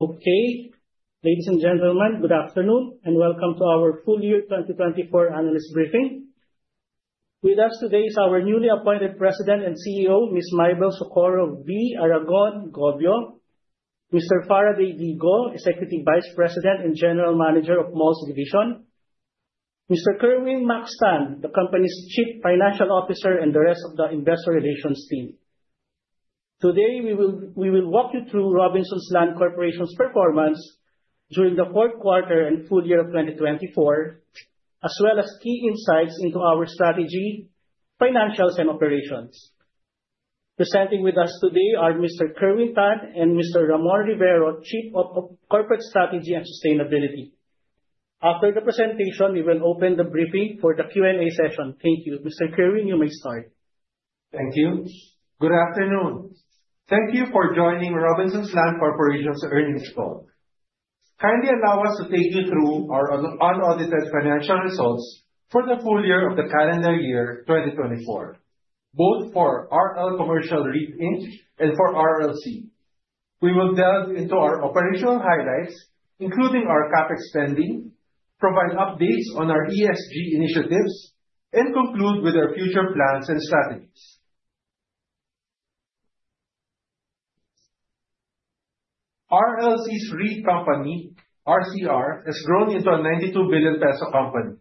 Okay. Ladies and gentlemen, good afternoon, and welcome to our full year 2024 analyst briefing. With us today is our newly appointed President and CEO, Ms. Mybelle Socorro V. Aragon-Gobio, Mr. Faraday D. Go, Executive Vice President and General Manager of Malls Division, Mr. Kerwin Max Tan, the company's Chief Financial Officer, and the rest of the investor relations team. Today, we will walk you through Robinsons Land Corporation's performance during the fourth quarter and full year of 2024, as well as key insights into our strategy, financials, and operations. Presenting with us today are Mr. Kerwin Tan and Mr. Ramon Rivero, Chief of Corporate Strategy and Sustainability. After the presentation, we will open the briefing for the Q&A session. Thank you. Mr. Kerwin, you may start. Thank you. Good afternoon. Thank you for joining Robinsons Land Corporation's earnings call. Kindly allow us to take you through our unaudited financial results for the full year of the calendar year 2024, both for RL Commercial REIT, Inc and for RLC. We will delve into our operational highlights, including our CapEx spending, provide updates on our ESG initiatives, and conclude with our future plans and strategies. RLC's REIT company, RCR, has grown into a 92 billion peso company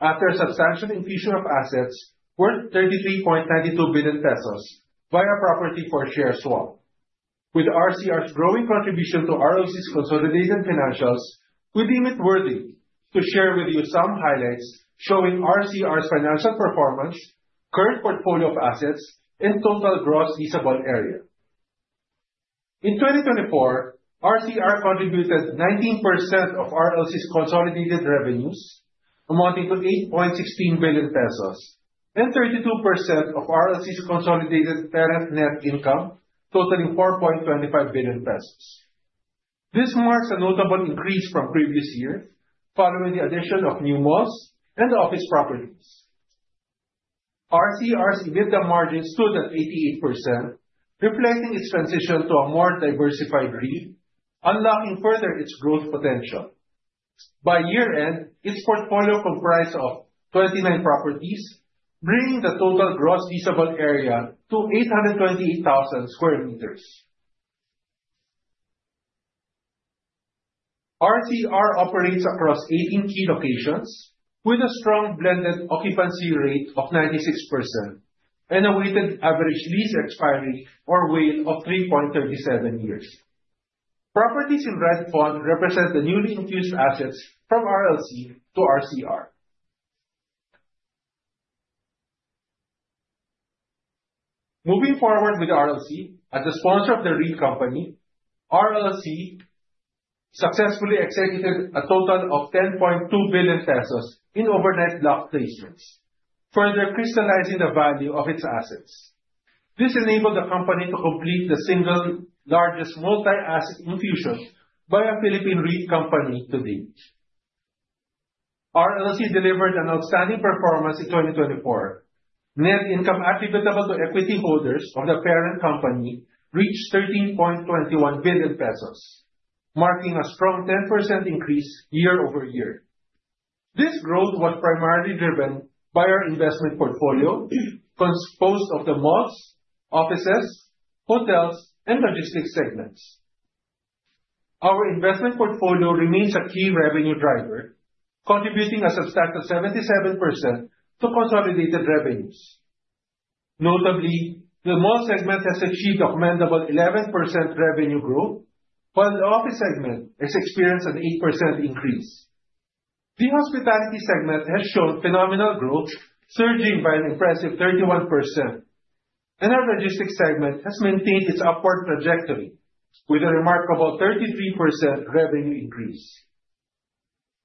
after a substantial infusion of assets worth 33.92 billion pesos via property for share swap. With RCR's growing contribution to RLC's consolidated financials, we deem it worthy to share with you some highlights showing RCR's financial performance, current portfolio of assets, and total gross leasable area. In 2024, RCR contributed 19% of RLC's consolidated revenues, amounting to 8.16 billion pesos, and 32% of RLC's consolidated parent net income, totaling 4.25 billion pesos. This marks a notable increase from previous year, following the addition of new malls and office properties. RCR's EBITDA margin stood at 88%, reflecting its transition to a more diversified REIT, unlocking further its growth potential. By year-end, its portfolio comprised of 29 properties, bringing the total gross leasable area to 828,000 sq m. RCR operates across 18 key locations with a strong blended occupancy rate of 96% and a weighted average lease expiry or WALE of 3.37 years. Properties in red font represent the newly infused assets from RLC to RCR. Moving forward with RLC as the sponsor of the REIT company, RLC successfully executed a total of 10.2 billion pesos in overnight block placements, further crystallizing the value of its assets. This enabled the company to complete the single largest multi-asset infusion by a Philippine REIT company to date. RLC delivered an outstanding performance in 2024. Net income attributable to equity holders of the parent company reached 13.21 billion pesos, marking a strong 10% increase year-over-year. This growth was primarily driven by our investment portfolio, composed of the malls, offices, hotels, and logistics segments. Our investment portfolio remains a key revenue driver, contributing a substantial 77% to consolidated revenues. Notably, the mall segment has achieved a commendable 11% revenue growth, while the office segment has experienced an 8% increase. The hospitality segment has shown phenomenal growth, surging by an impressive 31%. Our logistics segment has maintained its upward trajectory with a remarkable 33% revenue increase.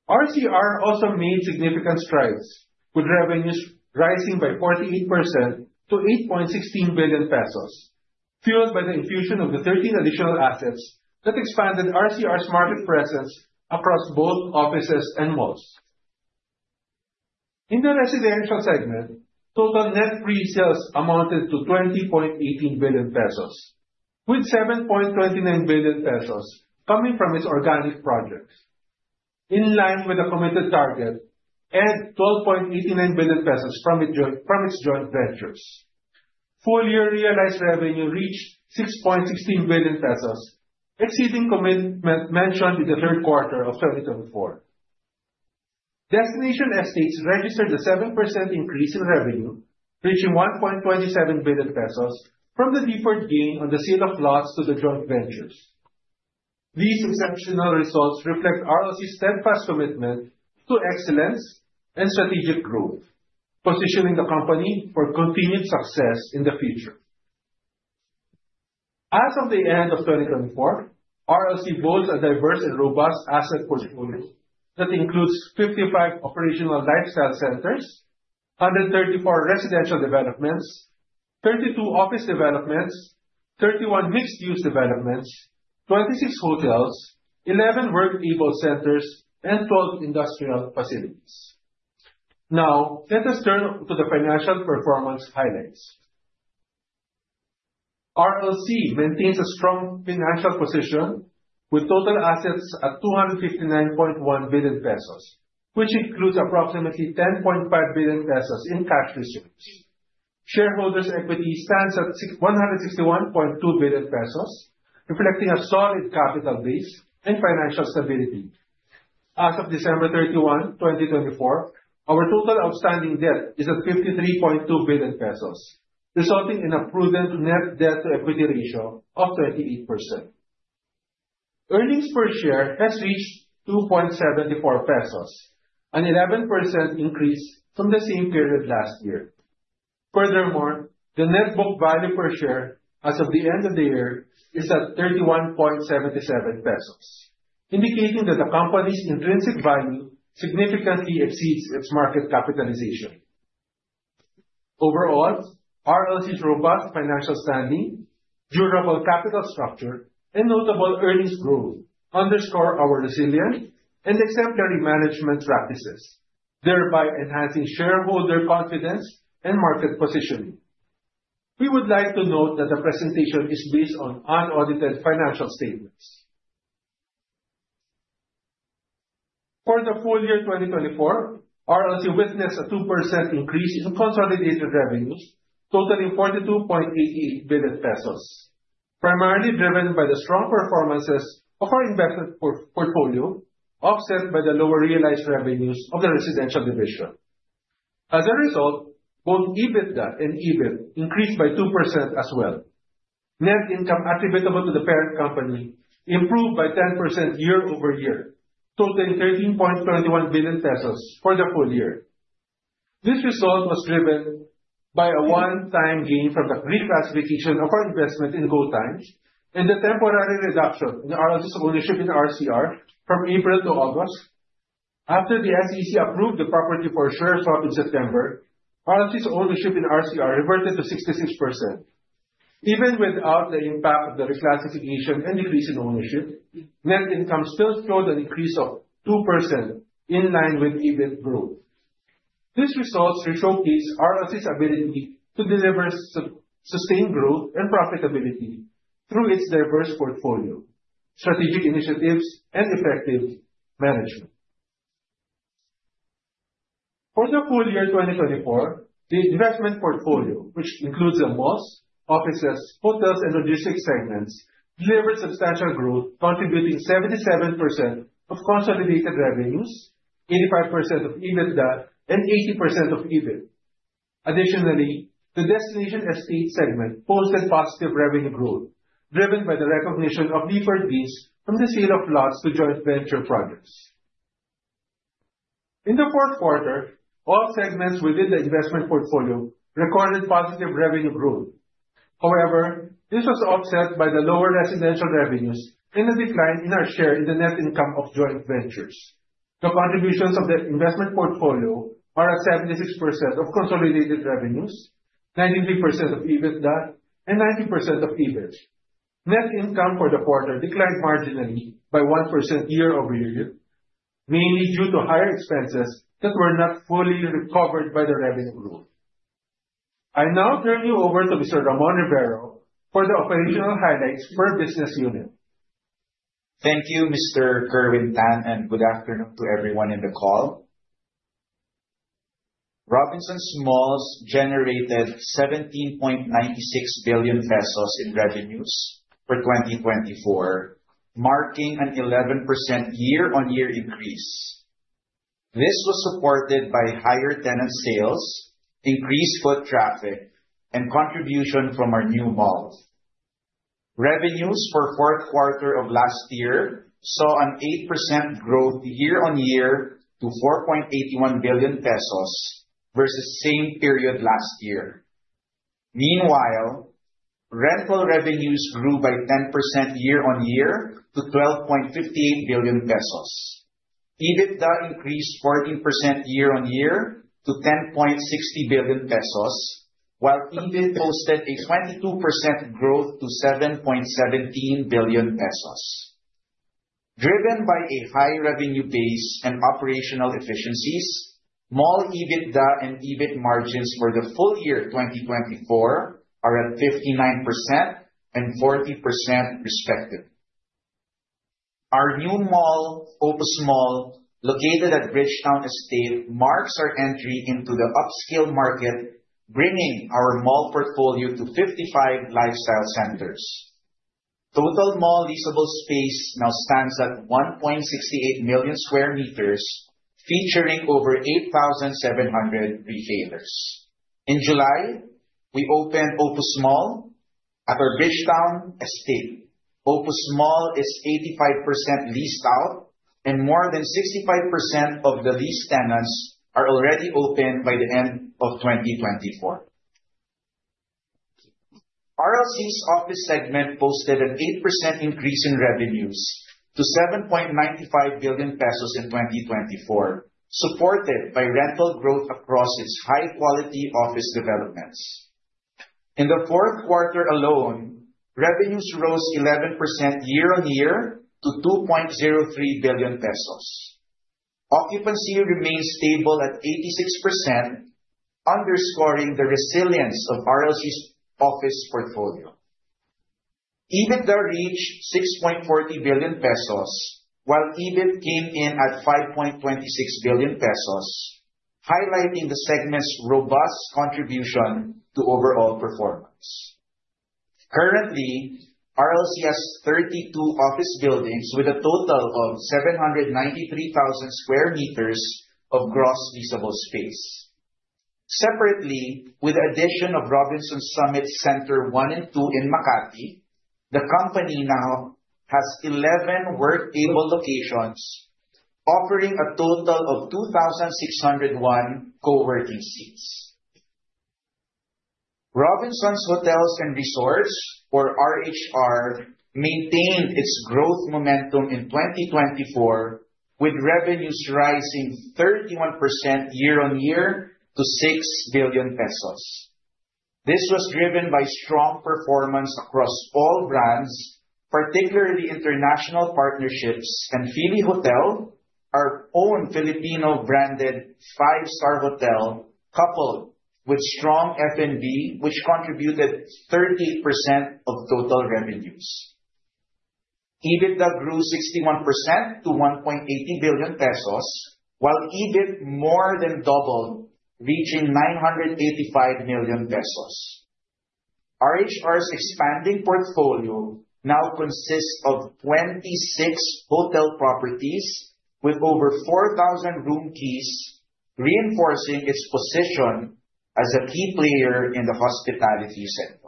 RCR also made significant strides, with revenues rising by 48% to 8.16 billion pesos, fueled by the infusion of the 13 additional assets that expanded RCR's market presence across both offices and malls. In the residential segment, total net pre-sales amounted to 20.18 billion pesos, with 7.29 billion pesos coming from its organic projects, in line with the committed target, and 12.89 billion pesos from its joint ventures. Full year realized revenue reached 6.16 billion pesos, exceeding commitment mentioned in the third quarter of 2024. Destination Estates registered a 7% increase in revenue, reaching 1.27 billion pesos from the deferred gain on the sale of lots to the joint ventures. These exceptional results reflect RLC's steadfast commitment to excellence and strategic growth, positioning the company for continued success in the future. As of the end of 2024, RLC boasts a diverse and robust asset portfolio that includes 55 operational lifestyle centers, 134 residential developments, 32 office developments, 31 mixed-use developments, 26 hotels, 11 work.able centers, and 12 industrial facilities. Now, let us turn to the financial performance highlights. RLC maintains a strong financial position with total assets at 259.1 billion pesos, which includes approximately 10.5 billion pesos in cash reserves. Shareholders' equity stands at 161.2 billion pesos, reflecting a solid capital base and financial stability. As of December 31, 2024, our total outstanding debt is at 53.2 billion pesos, resulting in a prudent net debt to equity ratio of 38%. Earnings per share has reached 2.74 pesos, an 11% increase from the same period last year. Furthermore, the net book value per share as of the end of the year is at 31.77 pesos, indicating that the company's intrinsic value significantly exceeds its market capitalization. Overall, RLC's robust financial standing, durable capital structure, and notable earnings growth underscore our resilience and exemplary management practices, thereby enhancing shareholder confidence and market positioning. We would like to note that the presentation is based on unaudited financial statements. For the full year 2024, RLC witnessed a 2% increase in consolidated revenues totaling 42.88 billion pesos, primarily driven by the strong performances of our investment portfolio, offset by the lower realized revenues of the residential division. As a result, both EBITDA and EBIT increased by 2% as well. Net income attributable to the parent company improved by 10% year-over-year, totaling 13.21 billion pesos for the full year. This result was driven by a one-time gain from the reclassification of our investment in GoTyme and the temporary reduction in RLC's ownership in RCR from April to August. After the SEC approved the property for a share swap in September, RLC's ownership in RCR reverted to 66%. Even without the impact of the reclassification and decrease in ownership, net income still showed a decrease of 2% in line with EBIT growth. These results showcase RLC's ability to deliver sustained growth and profitability through its diverse portfolio, strategic initiatives, and effective management. For the full year 2024, the investment portfolio, which includes the malls, offices, hotels, and logistics segments, delivered substantial growth, contributing 77% of consolidated revenues, 85% of EBITDA, and 80% of EBIT. Additionally, the Destination Estates segment posted positive revenue growth driven by the recognition of deferred fees from the sale of lots to joint venture projects. In the fourth quarter, all segments within the investment portfolio recorded positive revenue growth. However, this was offset by the lower residential revenues and a decline in our share in the net income of joint ventures. The contributions of the investment portfolio are at 76% of consolidated revenues, 93% of EBITDA, and 90% of EBIT. Net income for the quarter declined marginally by 1% year-over-year, mainly due to higher expenses that were not fully recovered by the revenue growth. I now turn you over to Mr. Ramon Rivero for the operational highlights for our business unit. Thank you, Mr. Kerwin Tan, and good afternoon to everyone in the call. Robinsons Malls generated 17.96 billion pesos in revenues for 2024, marking an 11% year-on-year increase. This was supported by higher tenant sales, increased foot traffic, and contribution from our new malls. Revenues for fourth quarter of last year saw an 8% growth year-on-year to 4.81 billion pesos versus same period last year. Meanwhile, rental revenues grew by 10% year-on-year to 12.58 billion pesos. EBITDA increased 14% year-on-year to 10.60 billion pesos, while EBIT posted a 22% growth to 7.17 billion pesos. Driven by a high revenue base and operational efficiencies, mall EBITDA and EBIT margins for the full year 2024 are at 59% and 40% respectively. Our new mall, Opus Mall, located at Bridgetowne, marks our entry into the upscale market, bringing our mall portfolio to 55 lifestyle centers. Total mall leasable space now stands at 1.68 million sq m, featuring over 8,700 retailers. In July, we opened Opus Mall at our Bridgetowne estate. Opus Mall is 85% leased out and more than 65% of the leased tenants are already open by the end of 2024. RLC's office segment posted an 8% increase in revenues to 7.95 billion pesos in 2024, supported by rental growth across its high-quality office developments. In the fourth quarter alone, revenues rose 11% year-on-year to 2.03 billion pesos. Occupancy remains stable at 86%, underscoring the resilience of RLC's office portfolio. EBITDA reached 6.40 billion pesos, while EBIT came in at PHP 5.26 billion, highlighting the segment's robust contribution to overall performance. Currently, RLC has 32 office buildings with a total of 793,000 sq m of gross leasable space. Separately, with the addition of Robinsons Summit Center One and Two in Makati, the company now has 11 work.able locations offering a total of 2,601 co-working seats. Robinsons Hotels and Resorts, or RHR, maintained its growth momentum in 2024 with revenues rising 31% year-over-year to 6 billion pesos. This was driven by strong performance across all brands, particularly international partnerships and Fili Hotel, our own Filipino-branded five-star hotel, coupled with strong F&B, which contributed 38% of total revenues. EBITDA grew 61% to 1.80 billion pesos, while EBIT more than doubled, reaching 985 million pesos. RHR's expanding portfolio now consists of 26 hotel properties with over 4,000 room keys, reinforcing its position as a key player in the hospitality sector.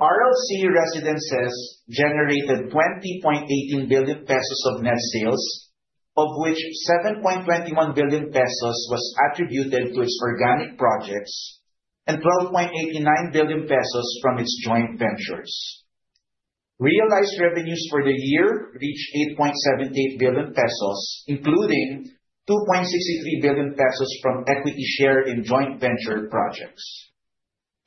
RLC Residences generated 20.18 billion pesos of net sales, of which 7.21 billion pesos was attributed to its organic projects and 12.89 billion pesos from its joint ventures. Realized revenues for the year reached 8.78 billion pesos, including 2.63 billion pesos from equity share in joint venture projects.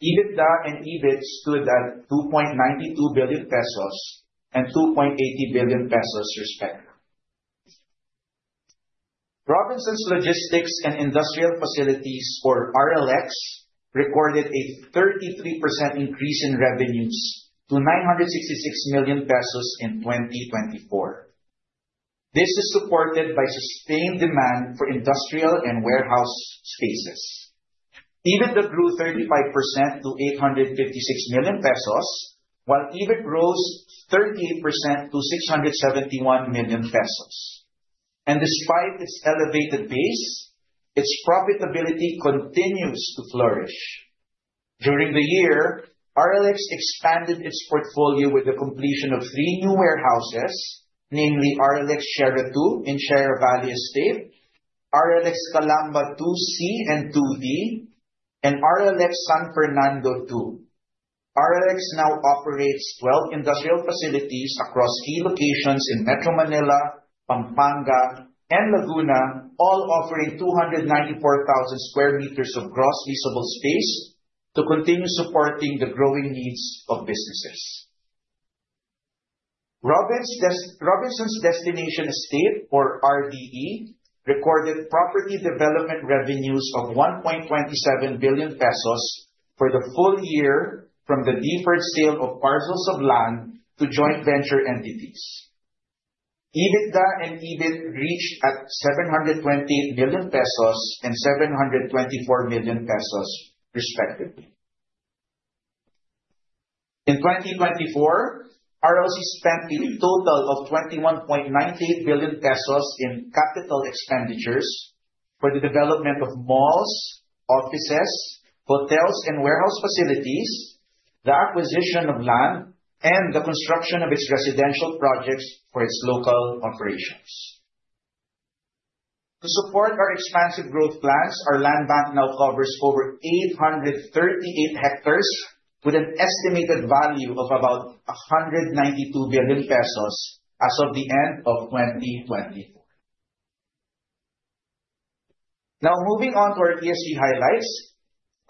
EBITDA and EBIT stood at 2.92 billion pesos and 2.80 billion pesos, respectively. Robinsons Logistix and Industrials, Inc, or RLX, recorded a 33% increase in revenues to 966 million pesos in 2024. This is supported by sustained demand for industrial and warehouse spaces. EBITDA grew 35% to 856 million pesos, while EBIT rose 38% to 671 million pesos. Despite its elevated base, its profitability continues to flourish. During the year, RLX expanded its portfolio with the completion of three new warehouses, namely RLX Sierra Two in Sierra Valley, RLX Calamba 2C and 2D, and RLX San Fernando 2. RLX now operates 12 industrial facilities across key locations in Metro Manila, Pampanga, and Laguna, all offering 294,000 sq m of gross leasable space to continue supporting the growing needs of businesses. Robinsons Destination Estates, or RDE, recorded property development revenues of 1.27 billion pesos for the full year from the deferred sale of parcels of land to joint venture entities. EBITDA and EBIT reached 728 million pesos and 724 million pesos, respectively. In 2024, RLC spent a total of 21.98 billion pesos in capital expenditures for the development of malls, offices, hotels, and warehouse facilities, the acquisition of land, and the construction of its residential projects for its local operations. To support our expansive growth plans, our land bank now covers over 838 hectares with an estimated value of about 192 billion pesos as of the end of 2024. Now, moving on to our ESG highlights.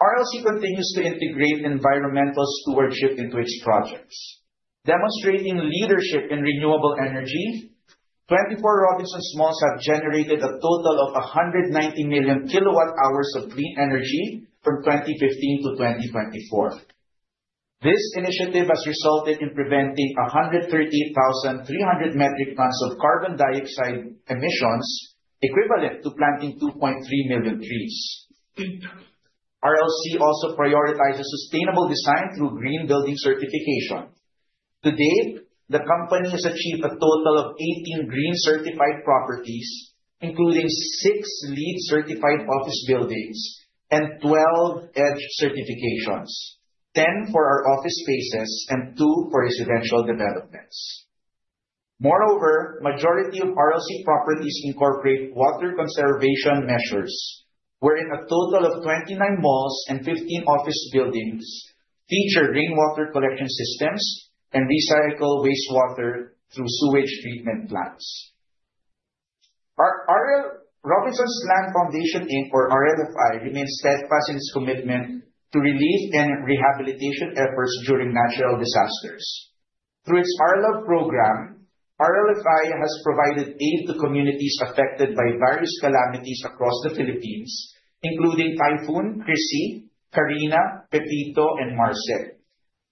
RLC continues to integrate environmental stewardship into its projects. Demonstrating leadership in renewable energy, 24 Robinsons Malls have generated a total of 190 million kilowatt hours of clean energy from 2015 to 2024. This initiative has resulted in preventing 138,300 metric tons of carbon dioxide emissions, equivalent to planting 2.3 million trees. RLC also prioritizes sustainable design through green building certification. To date, the company has achieved a total of 18 green certified properties, including six LEED certified office buildings and 12 EDGE certifications, 10 for our office spaces and two for residential developments. Moreover, majority of RLC properties incorporate water conservation measures, wherein a total of 29 malls and 15 office buildings feature rainwater collection systems and recycle wastewater through sewage treatment plants. Robinsons Land Foundation, Inc, or RLFI, remains steadfast in its commitment to relief and rehabilitation efforts during natural disasters. Through its RLove program, RLFI has provided aid to communities affected by various calamities across the Philippines, including Typhoon Kristine, Carina, Pepito, and Marce.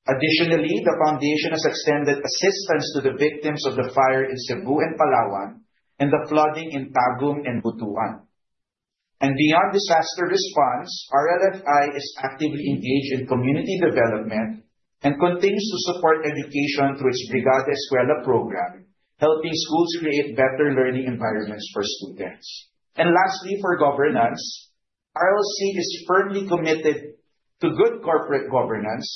Additionally, the foundation has extended assistance to the victims of the fire in Cebu and Palawan and the flooding in Tagum and Butuan. Beyond disaster response, RLFI is actively engaged in community development and continues to support education through its Brigada Eskwela program, helping schools create better learning environments for students. Lastly, for governance, RLC is firmly committed to good corporate governance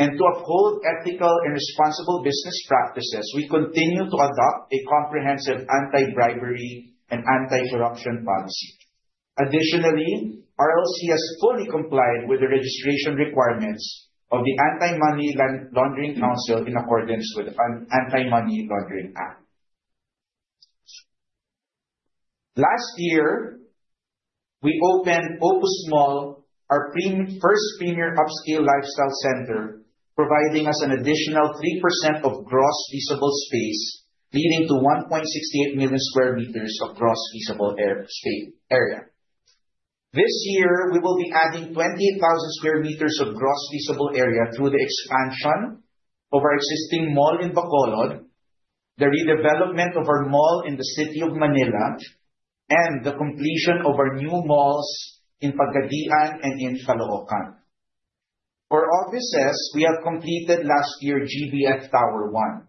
and to uphold ethical and responsible business practices. We continue to adopt a comprehensive anti-bribery and anti-corruption policy. Additionally, RLC has fully complied with the registration requirements of the Anti-Money Laundering Council in accordance with the Anti-Money Laundering Act. Last year, we opened Opus Mall, our first premier upscale lifestyle center, providing us an additional 3% of gross leasable space, leading to 1.68 million sq m of gross leasable area. This year, we will be adding 28,000 sq m of gross leasable area through the expansion of our existing mall in Bacolod, the redevelopment of our mall in the city of Manila, and the completion of our new malls in Pagadian and in Caloocan. For offices, we have completed last year GBF Center 1.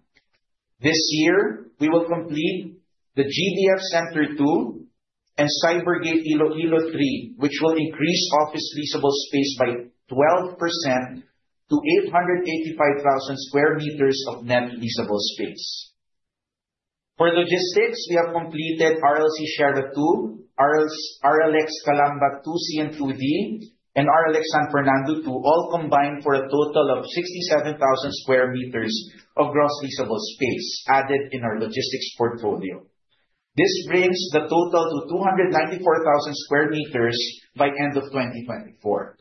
This year, we will complete the GBF Center 2 and Cybergate Iloilo 3, which will increase office leasable space by 12% to 885,000 sq m of net leasable space. For logistics, we have completed RLC Sheridan Two, RLX Calamba 2C and 2D, and RLX San Fernando Two, all combined for a total of 67,000 sq m of gross leasable space added in our logistics portfolio. This brings the total to 294,000 sq m by end of 2024.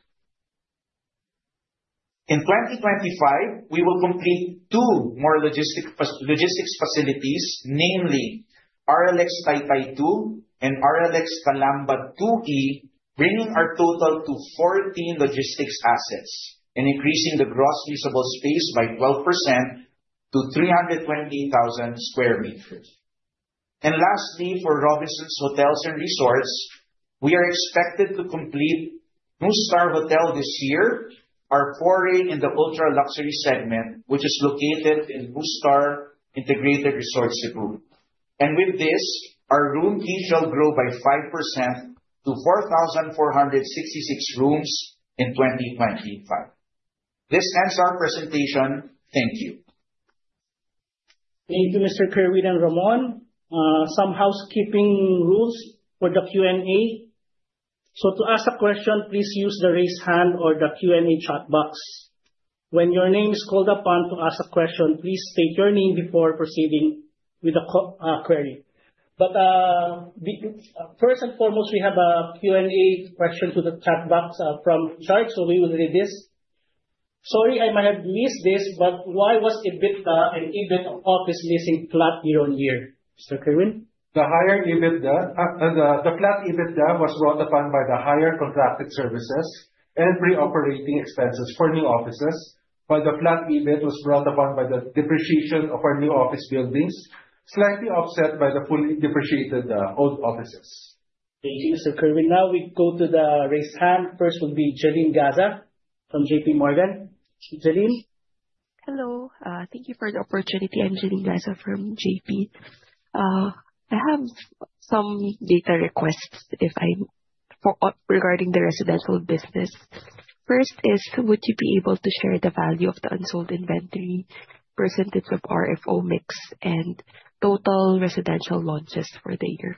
In 2025, we will complete two more logistics facilities, namely RLX Taytay Two and RLX Calamba 2E, bringing our total to 14 logistics assets and increasing the gross leasable space by 12% to 328,000 sq m. Lastly, for Robinsons Hotels and Resorts, we are expected to complete NUSTAR Hotel this year, our foray in the ultra-luxury segment, which is located in NUSTAR Integrated Resort Cebu. With this, our room key shall grow by 5% to 4,466 rooms in 2025. This ends our presentation. Thank you. Thank you, Mr. Kerwin and Ramon. Some housekeeping rules for the Q&A. To ask a question, please use the raise hand or the Q&A chat box. When your name is called upon to ask a question, please state your name before proceeding with the query. First and foremost, we have a Q&A question to the chat box from the chat. We will read this. Sorry, I might have missed this, but why was EBITDA and EBIT of office leasing flat year on year? Mr. Kerwin? The flat EBITDA was brought about by the higher contracted services and pre-operating expenses for new offices, while the flat EBIT was brought about by the depreciation of our new office buildings, slightly offset by the fully depreciated old offices. Thank you, Mr. Kerwin. Now we go to the raise hand. First will be Jelline Gaza from JPMorgan. Jelline? Hello. Thank you for the opportunity. I'm Jelline Gaza from JP. I have some data requests regarding the residential business. First is, would you be able to share the value of the unsold inventory percentage of RFO mix and total residential launches for the year?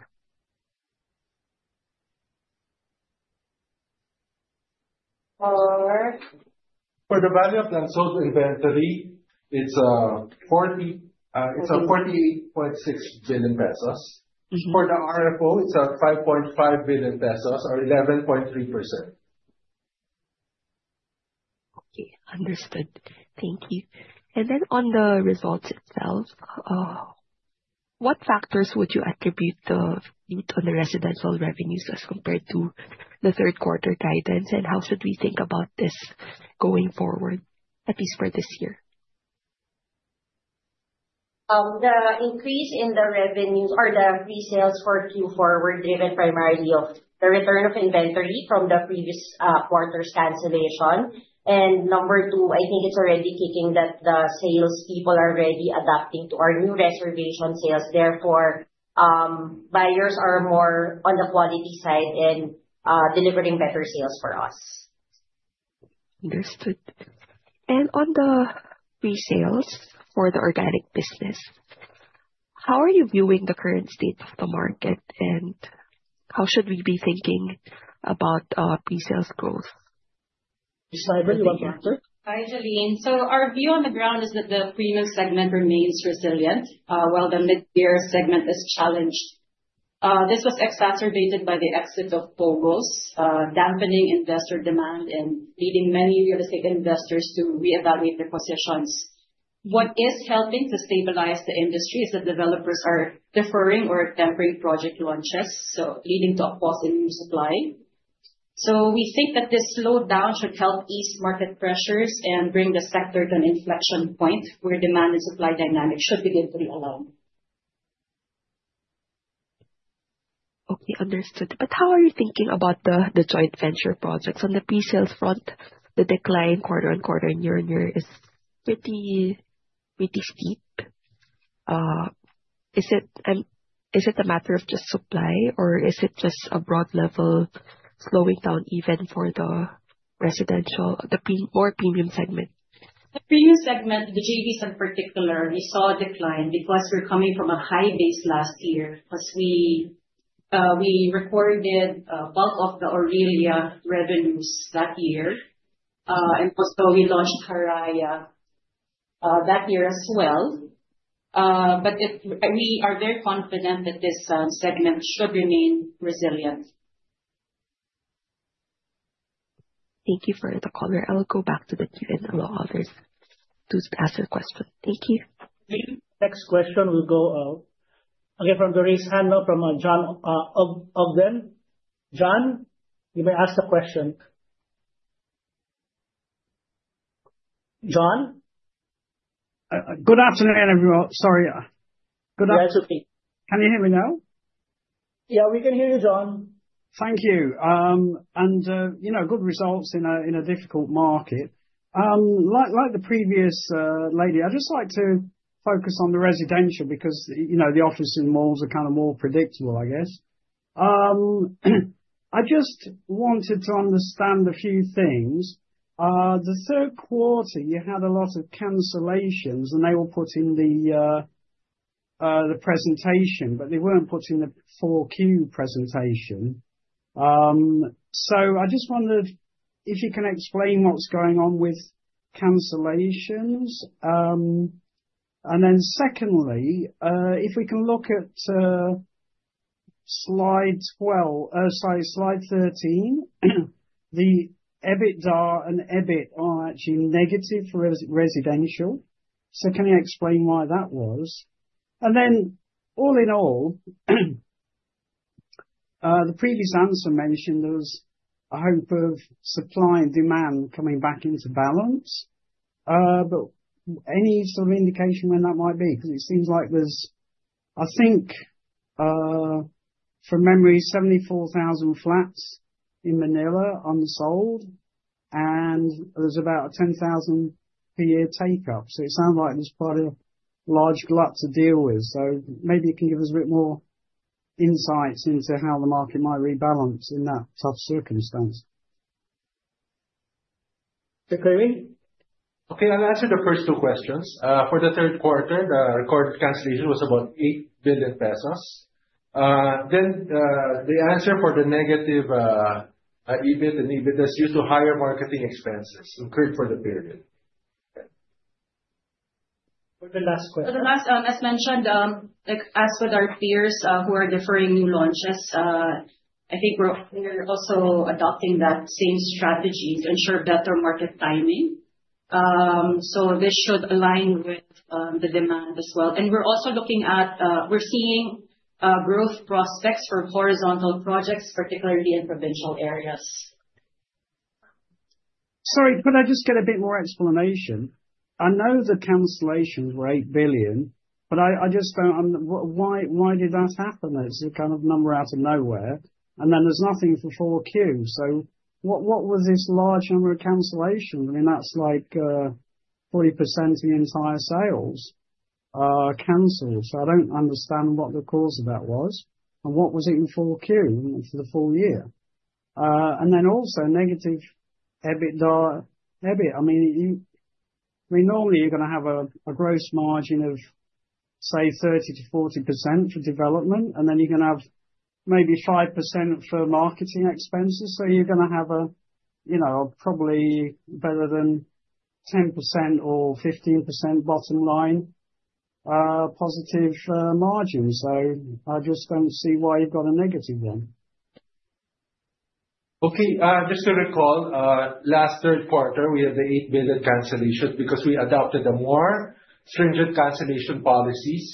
For the value of unsold inventory, it's at 48.6 billion pesos. For the RFO, it's at 5.5 billion pesos or 11.3%. Okay, understood. Thank you. On the results itself, what factors would you attribute the beat on the residential revenues as compared to the third quarter guidance, and how should we think about this going forward, at least for this year? The increase in the revenue or the pre-sales for Q4 were driven primarily by the return of inventory from the previous quarter's cancellation. Number two, I think it's already kicking that the salespeople are already adapting to our new reservation sales. Therefore, buyers are more on the quality side and delivering better sales for us. Understood. On the pre-sales for the organic business, how are you viewing the current state of the market, and how should we be thinking about pre-sales growth? Hi, Jelline. Our view on the ground is that the premium segment remains resilient, while the mid-tier segment is challenged. This was exacerbated by the exit of POGOs, dampening investor demand and leading many real estate investors to reevaluate their positions. What is helping to stabilize the industry is that developers are deferring or tempering project launches, so leading to a pause in new supply. We think that this slowdown should help ease market pressures and bring the sector to an inflection point, where demand and supply dynamics should begin to realign. Okay, understood. How are you thinking about the joint venture projects? On the pre-sales front, the decline quarter-over-quarter and year-over-year is pretty steep. Is it a matter of just supply, or is it just a broad level slowing down even for the residential or premium segment? The premium segment, the JVs in particular, we saw a decline because we're coming from a high base last year, because we recorded a bulk of the Aurelia revenues that year. Also we launched Haraya that year as well. We are very confident that this segment should remain resilient. Thank you for the color. I will go back to the queue and allow others to ask their question. Thank you. Thank you. Next question will go, again from the raise hand, from John [Ogden]. John, you may ask the question. John? Good afternoon, everyone. Sorry. That's okay. Can you hear me now? Yeah, we can hear you, John. Thank you. Good results in a difficult market. Like the previous lady, I'd just like to focus on the residential, because the office and malls are kind of more predictable, I guess. I just wanted to understand a few things. The third quarter, you had a lot of cancellations, and they were put in the presentation, but they weren't put in the 4Q presentation. I just wondered if you can explain what's going on with cancellations. Then secondly, if we can look at slide 13, the EBITDA and EBIT are actually negative for residential. Can you explain why that was? All in all, the previous answer mentioned there was a hope of supply and demand coming back into balance. Any sort of indication when that might be? Because it seems like there's, I think, from memory, 74,000 flats in Manila unsold, and there's about a 10,000 per year take up. It sounds like there's quite a large glut to deal with. Maybe you can give us a bit more insight into how the market might rebalance in that tough circumstance. Kerwin? Okay. I'll answer the first two questions. For the third quarter, the recorded cancellation was about 8 billion pesos. The answer for the negative EBIT and EBITDA is due to higher marketing expenses incurred for the period. For the last, as mentioned, as with our peers who are deferring new launches, I think we're also adopting that same strategy to ensure better market timing. This should align with the demand as well. We're seeing growth prospects for horizontal projects, particularly in provincial areas. Sorry, could I just get a bit more explanation? I know the cancellations were 8 billion, but I just don't understand why did that happen? That's a kind of number out of nowhere, and then there's nothing for 4Q. What was this large number of cancellation? I mean, that's like 40% of the entire sales are canceled. I don't understand what the cause of that was. What was it in 4Q for the full year? Then also negative EBITDA, EBIT. I mean, normally you're going to have a gross margin of, say, 30%-40% for development, and then you're going to have maybe 5% for marketing expenses. You're going to have probably better than 10% or 15% bottom line, positive margin. I just don't see why you've got a negative then. Okay. Just to recall, last third quarter, we had the 8 billion cancellations because we adopted a more stringent cancellation policies,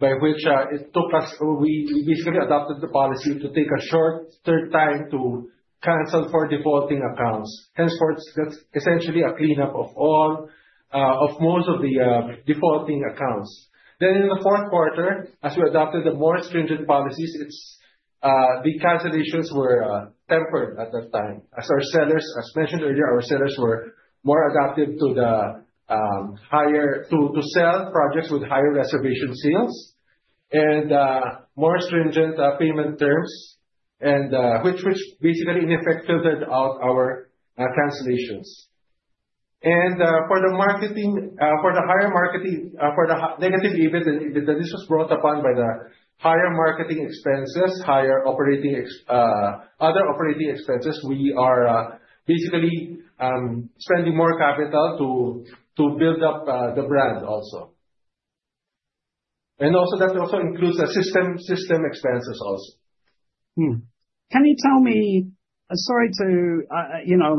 by which it took us. We basically adopted the policy to take a short timeframe to cancel for defaulting accounts. Henceforth, that's essentially a cleanup of most of the defaulting accounts. In the fourth quarter, as we adopted the more stringent policies, the cancellations were tempered at that time. As mentioned earlier, our sellers were more adapted to sell projects with higher reservation sales and more stringent payment terms, which basically in effect filtered out our cancellations. For the negative EBITDA, this was brought upon by the higher marketing expenses, other operating expenses. We are basically spending more capital to build up the brand also. That also includes the system expenses also. Can you tell me, when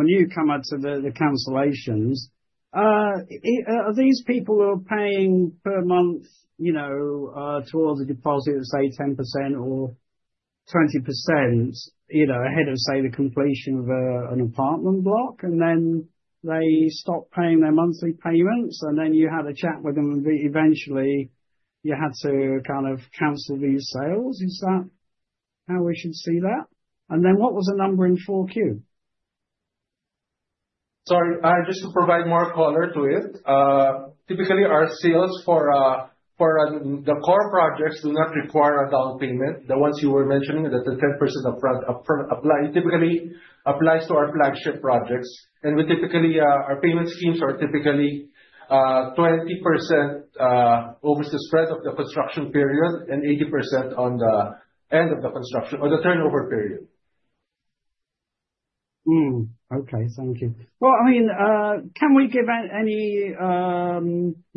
you come out to the cancellations, are these people who are paying per month towards a deposit of, say, 10% or 20% ahead of, say, the completion of an apartment block, and then they stop paying their monthly payments, and then you have a chat with them, and eventually you had to kind of cancel these sales? Is that how we should see that? Then what was the number in 4Q? Sorry. Just to provide more color to it. Typically, our sales for the core projects do not require a down payment. The ones you were mentioning that the 10% upfront typically applies to our flagship projects. Our payment schemes are typically 20% over the spread of the construction period, and 80% on the end of the construction or the turnover period. Okay, thank you. Well, can we give any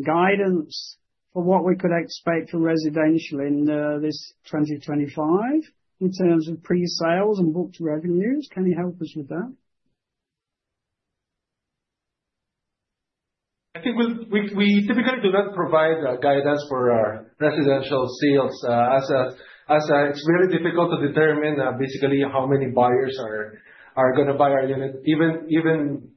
guidance for what we could expect from residential in this 2025, in terms of pre-sales and booked revenues? Can you help us with that? I think we typically do not provide guidance for our residential sales, as it's really difficult to determine basically how many buyers are going to buy our units even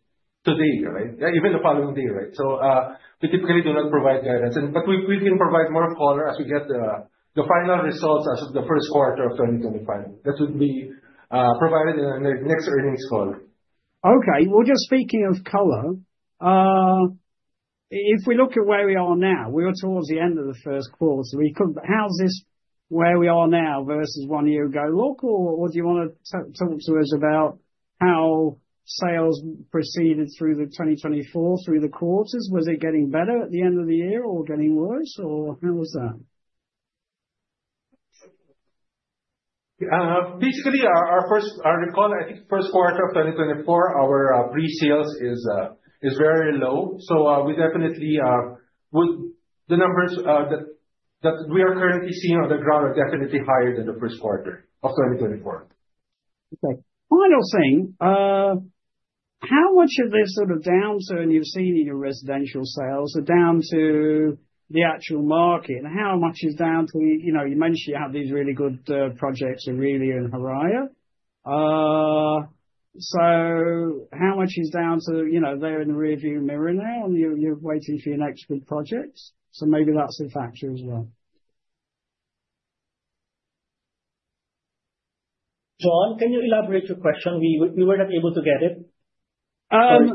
today, right? Even the following day, right? We typically do not provide guidance. We can provide more color as we get the final results as of the first quarter of 2025. That would be provided in the next earnings call. Okay. Well, just speaking of color, if we look at where we are now, we are towards the end of the first quarter. How does this where we are now versus one year ago look? Or do you want to talk to us about how sales proceeded through the 2024, through the quarters? Was it getting better at the end of the year or getting worse, or how was that? Basically, I recall, I think first quarter of 2024, our pre-sales is very low. Definitely, the numbers that we are currently seeing on the ground are definitely higher than the first quarter of 2024. Okay. Final thing. How much of this sort of downturn you've seen in your residential sales are down to the actual market, and how much is down to, you mentioned you have these really good projects, Aurelia and Haraya. How much is down to, they're in the rear view mirror now and you're waiting for your next good projects? Maybe that's a factor as well. John, can you elaborate your question? We were not able to get it. Sorry.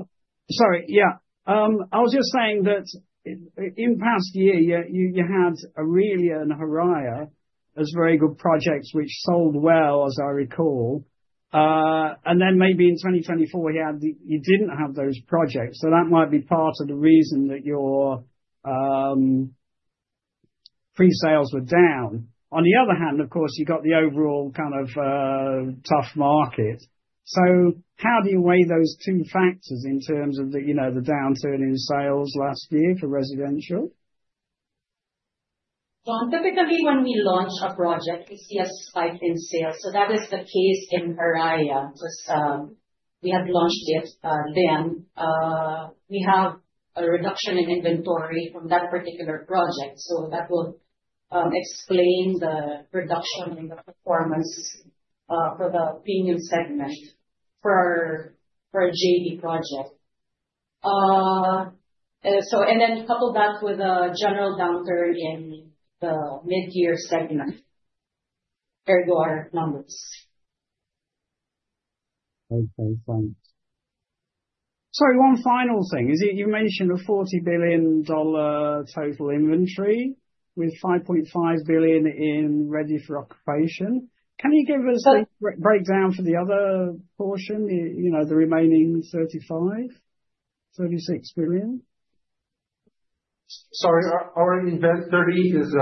Sorry. Yeah. I was just saying that in the past year, you had Aurelia and Haraya as very good projects, which sold well, as I recall. Maybe in 2024, you didn't have those projects, so that might be part of the reason that your pre-sales were down. On the other hand, of course, you've got the overall kind of tough market. How do you weigh those two factors in terms of the downturn in sales last year for residential? John, typically when we launch a project, we see a spike in sales. That is the case in Haraya, because we had launched it then. We have a reduction in inventory from that particular project. That would explain the reduction in the performance for the premium segment for JV project. Couple that with a general downturn in the mid-tier segment, ergo our numbers. Okay, thanks. Sorry, one final thing is, you mentioned a PHP 40 billion total inventory with 5.5 billion in ready for occupation. Can you give us a breakdown for the other portion, the remaining 35 billion-36 billion? Sorry, our inventory is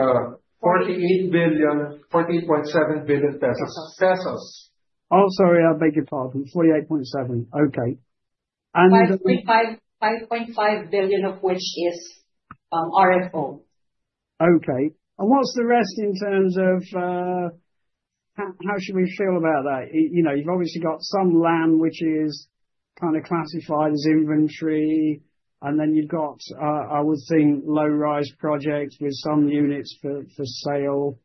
48 billion, 48.7 billion pesos. Oh, sorry. I beg your pardon. 48.7 billion. Okay. 5.5 billion of which is RFO. Okay. What's the rest in terms of how should we feel about that? You've obviously got some land which is kind of classified as inventory, and then you've got, I would think, low-rise projects with some units for sale.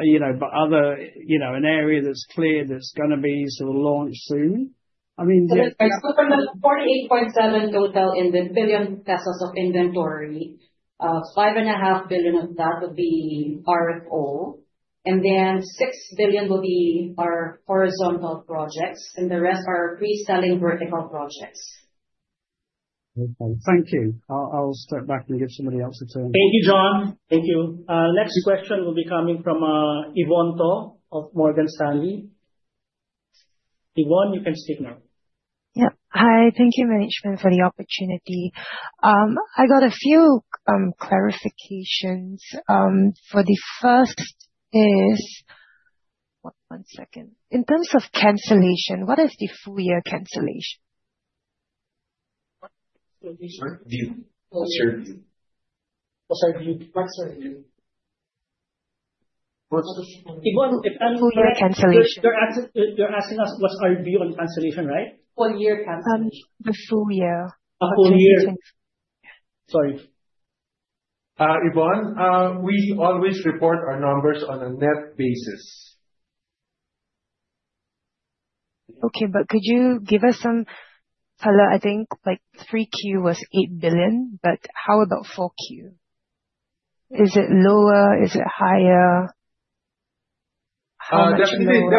An area that's clear that's going to be sort of launched soon. From the 48.7 billion pesos total of inventory, 5.5 billion of that would be RFO. Then 6 billion will be our horizontal projects, and the rest are pre-selling vertical projects. Okay, thank you. I'll step back and give somebody else a turn. Thank you, John. Thank you. Next question will be coming from Yvonne To of Morgan Stanley. Yvonne, you can speak now. Yep. Hi. Thank you, management, for the opportunity. I got a few clarifications. For the first, in terms of cancellation, what is the full year cancellation? What's our view? Yvonne, if. Full year cancellation. You're asking us what's our view on cancellation, right? Full year cancellation. The full year. Full year. Sorry. Yvonne, we always report our numbers on a net basis. Okay. Could you give us some color? I think 3Q was 8 billion, but how about 4Q? Is it lower? Is it higher? How much lower?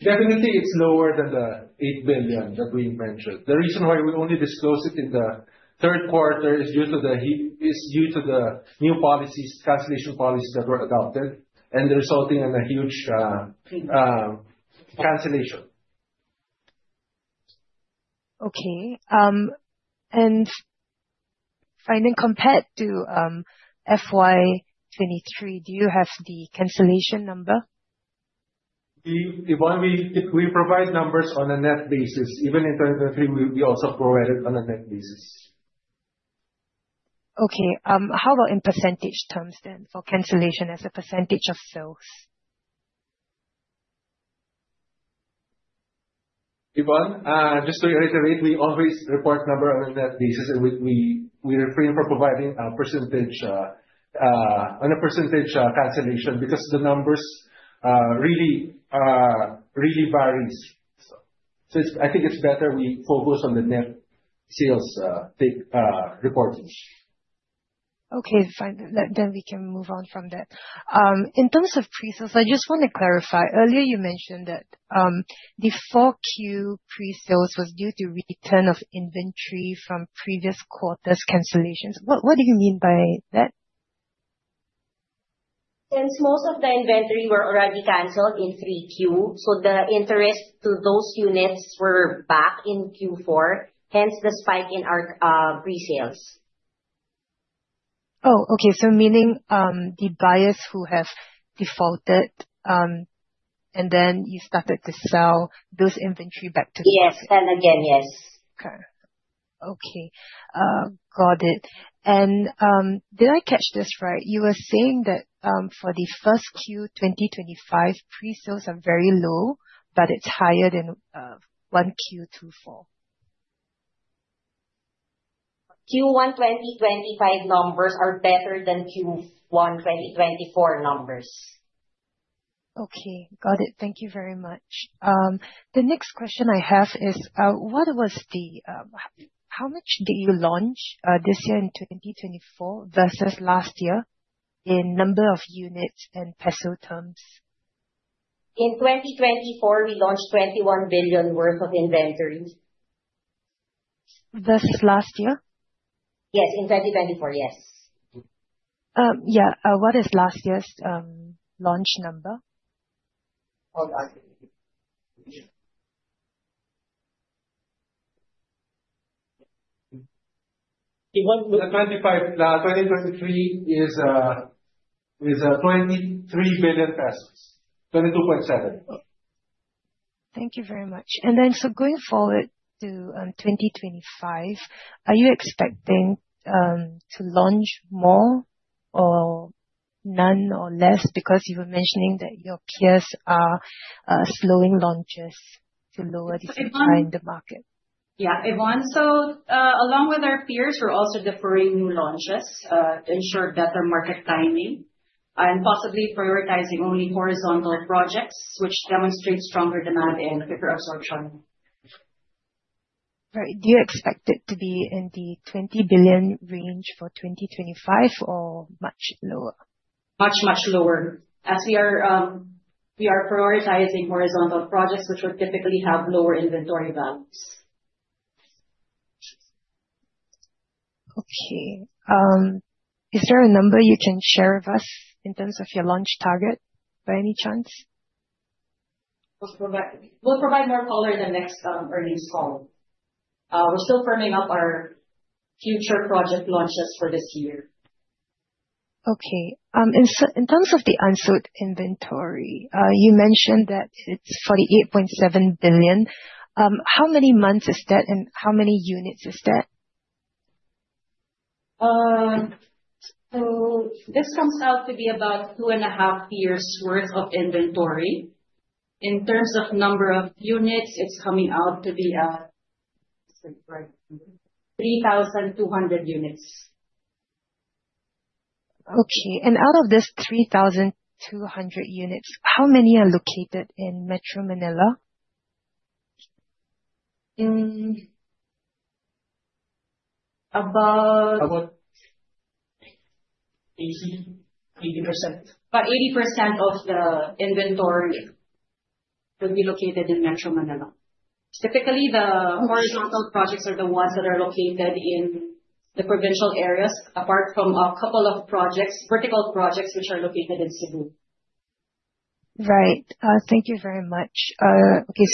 Definitely, it's lower than the 8 billion that we mentioned. The reason why we only disclose it in the third quarter is due to the new cancellation policies that were adopted, and resulting in a huge cancellation. Okay. Fine then, compared to FY 2023, do you have the cancellation number? Yvonne, we provide numbers on a net basis. Even in 2023, we also provided on a net basis. Okay. How about in percentage terms then, for cancellation as a percentage of sales? Yvonne, just to reiterate, we always report number on a net basis, and we refrain from providing on a percentage cancellation because the numbers really varies. I think it's better we focus on the net sales reporting. Okay, fine. We can move on from that. In terms of pre-sales, I just want to clarify. Earlier you mentioned that the 4Q pre-sales was due to return of inventory from previous quarters' cancellations. What did you mean by that? Since most of the inventory were already canceled in 3Q, so the interest to those units were back in Q4, hence the spike in our pre-sales. Oh, okay. Meaning, the buyers who have defaulted, and then you started to sell those inventory back to. Yes. Sell again. Yes. Okay. Got it. Did I catch this right? You were saying that for 1Q 2025, pre-sales are very low, but it's higher than 1Q 2024. Q1 2025 numbers are better than Q1 2024 numbers. Okay. Got it. Thank you very much. The next question I have is, how much did you launch this year in 2024 versus last year, in number of units and peso terms? In 2024, we launched 21 billion worth of inventories. Versus last year? Yes, in 2024. Yes. Yeah. What is last year's launch number? Yvonne, for the 2023 is 23 billion pesos, 22.7. Thank you very much. Going forward to 2025, are you expecting to launch more or none or less? Because you were mentioning that your peers are slowing launches to lower the supply in the market. Yeah. Yvonne, along with our peers, we're also deferring new launches to ensure better market timing, and possibly prioritizing only horizontal projects which demonstrate stronger demand and quicker absorption. Right. Do you expect it to be in the 20 billion range for 2025 or much lower? Much, much lower. We are prioritizing horizontal projects which would typically have lower inventory values. Okay. Is there a number you can share with us in terms of your launch target, by any chance? We'll provide more color in the next earnings call. We're still firming up our future project launches for this year. Okay. In terms of the unsold inventory, you mentioned that it's 48.7 billion. How many months is that and how many units is that? This comes out to be about 2.5 years' worth of inventory. In terms of number of units, it's coming out to be 3,200 units. Okay. Out of this 3,200 units, how many are located in Metro Manila? About 80%. About 80% of the inventory will be located in Metro Manila. Typically, the horizontal projects are the ones that are located in the provincial areas, apart from a couple of projects, vertical projects, which are located in Cebu. Right. Thank you very much. Okay.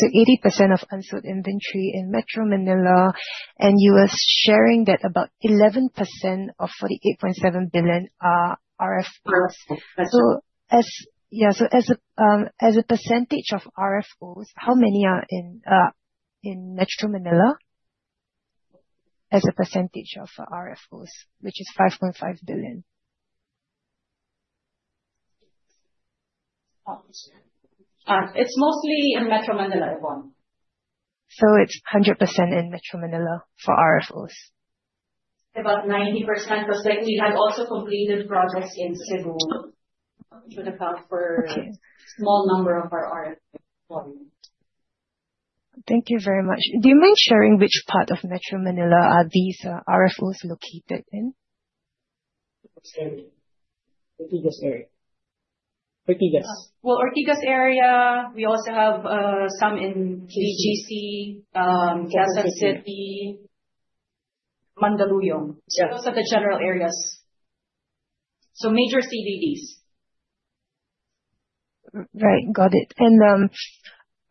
80% of unsold inventory in Metro Manila, and you were sharing that about 11% of PHP 48.7 billion are RFOs. As a percentage of RFOs, how many are in Metro Manila as a percentage of RFOs, which is 5.5 billion? It's mostly in Metro Manila, Yvonne. It's 100% in Metro Manila for RFOs. About 90%, because we have also completed projects in Cebu, which account for a small number of our RFO. Thank you very much. Do you mind sharing which part of Metro Manila are these RFOs located in? Ortigas area. Well, Ortigas area, we also have some in BGC, Quezon City, Mandaluyong. Yes. Those are the general areas. Major CBDs. Right. Got it.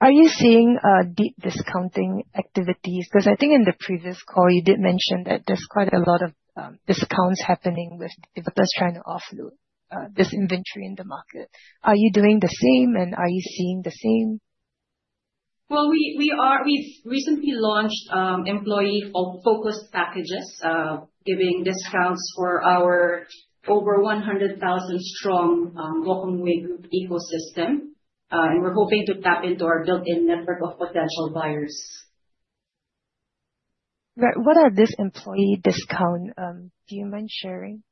Are you seeing deep discounting activities? Because I think in the previous call, you did mention that there's quite a lot of discounts happening with developers trying to offload this inventory in the market. Are you doing the same, and are you seeing the same? Well, we've recently launched employee focus packages, giving discounts for our over 100,000 strong Gokongwei Group ecosystem. We're hoping to tap into our built-in network of potential buyers. What are these employee discounts? Do you mind sharing?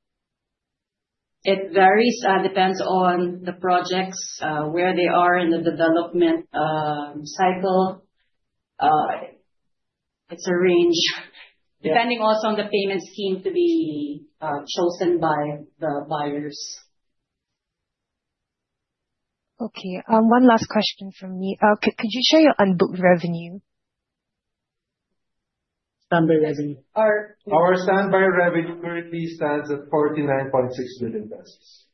It varies. Depends on the projects, where they are in the development cycle. It's a range, depending also on the payment scheme to be chosen by the buyers. Okay. One last question from me. Could you share your unbooked revenue? Standby revenue. Our standby revenue currently stands at 49.6 billion pesos.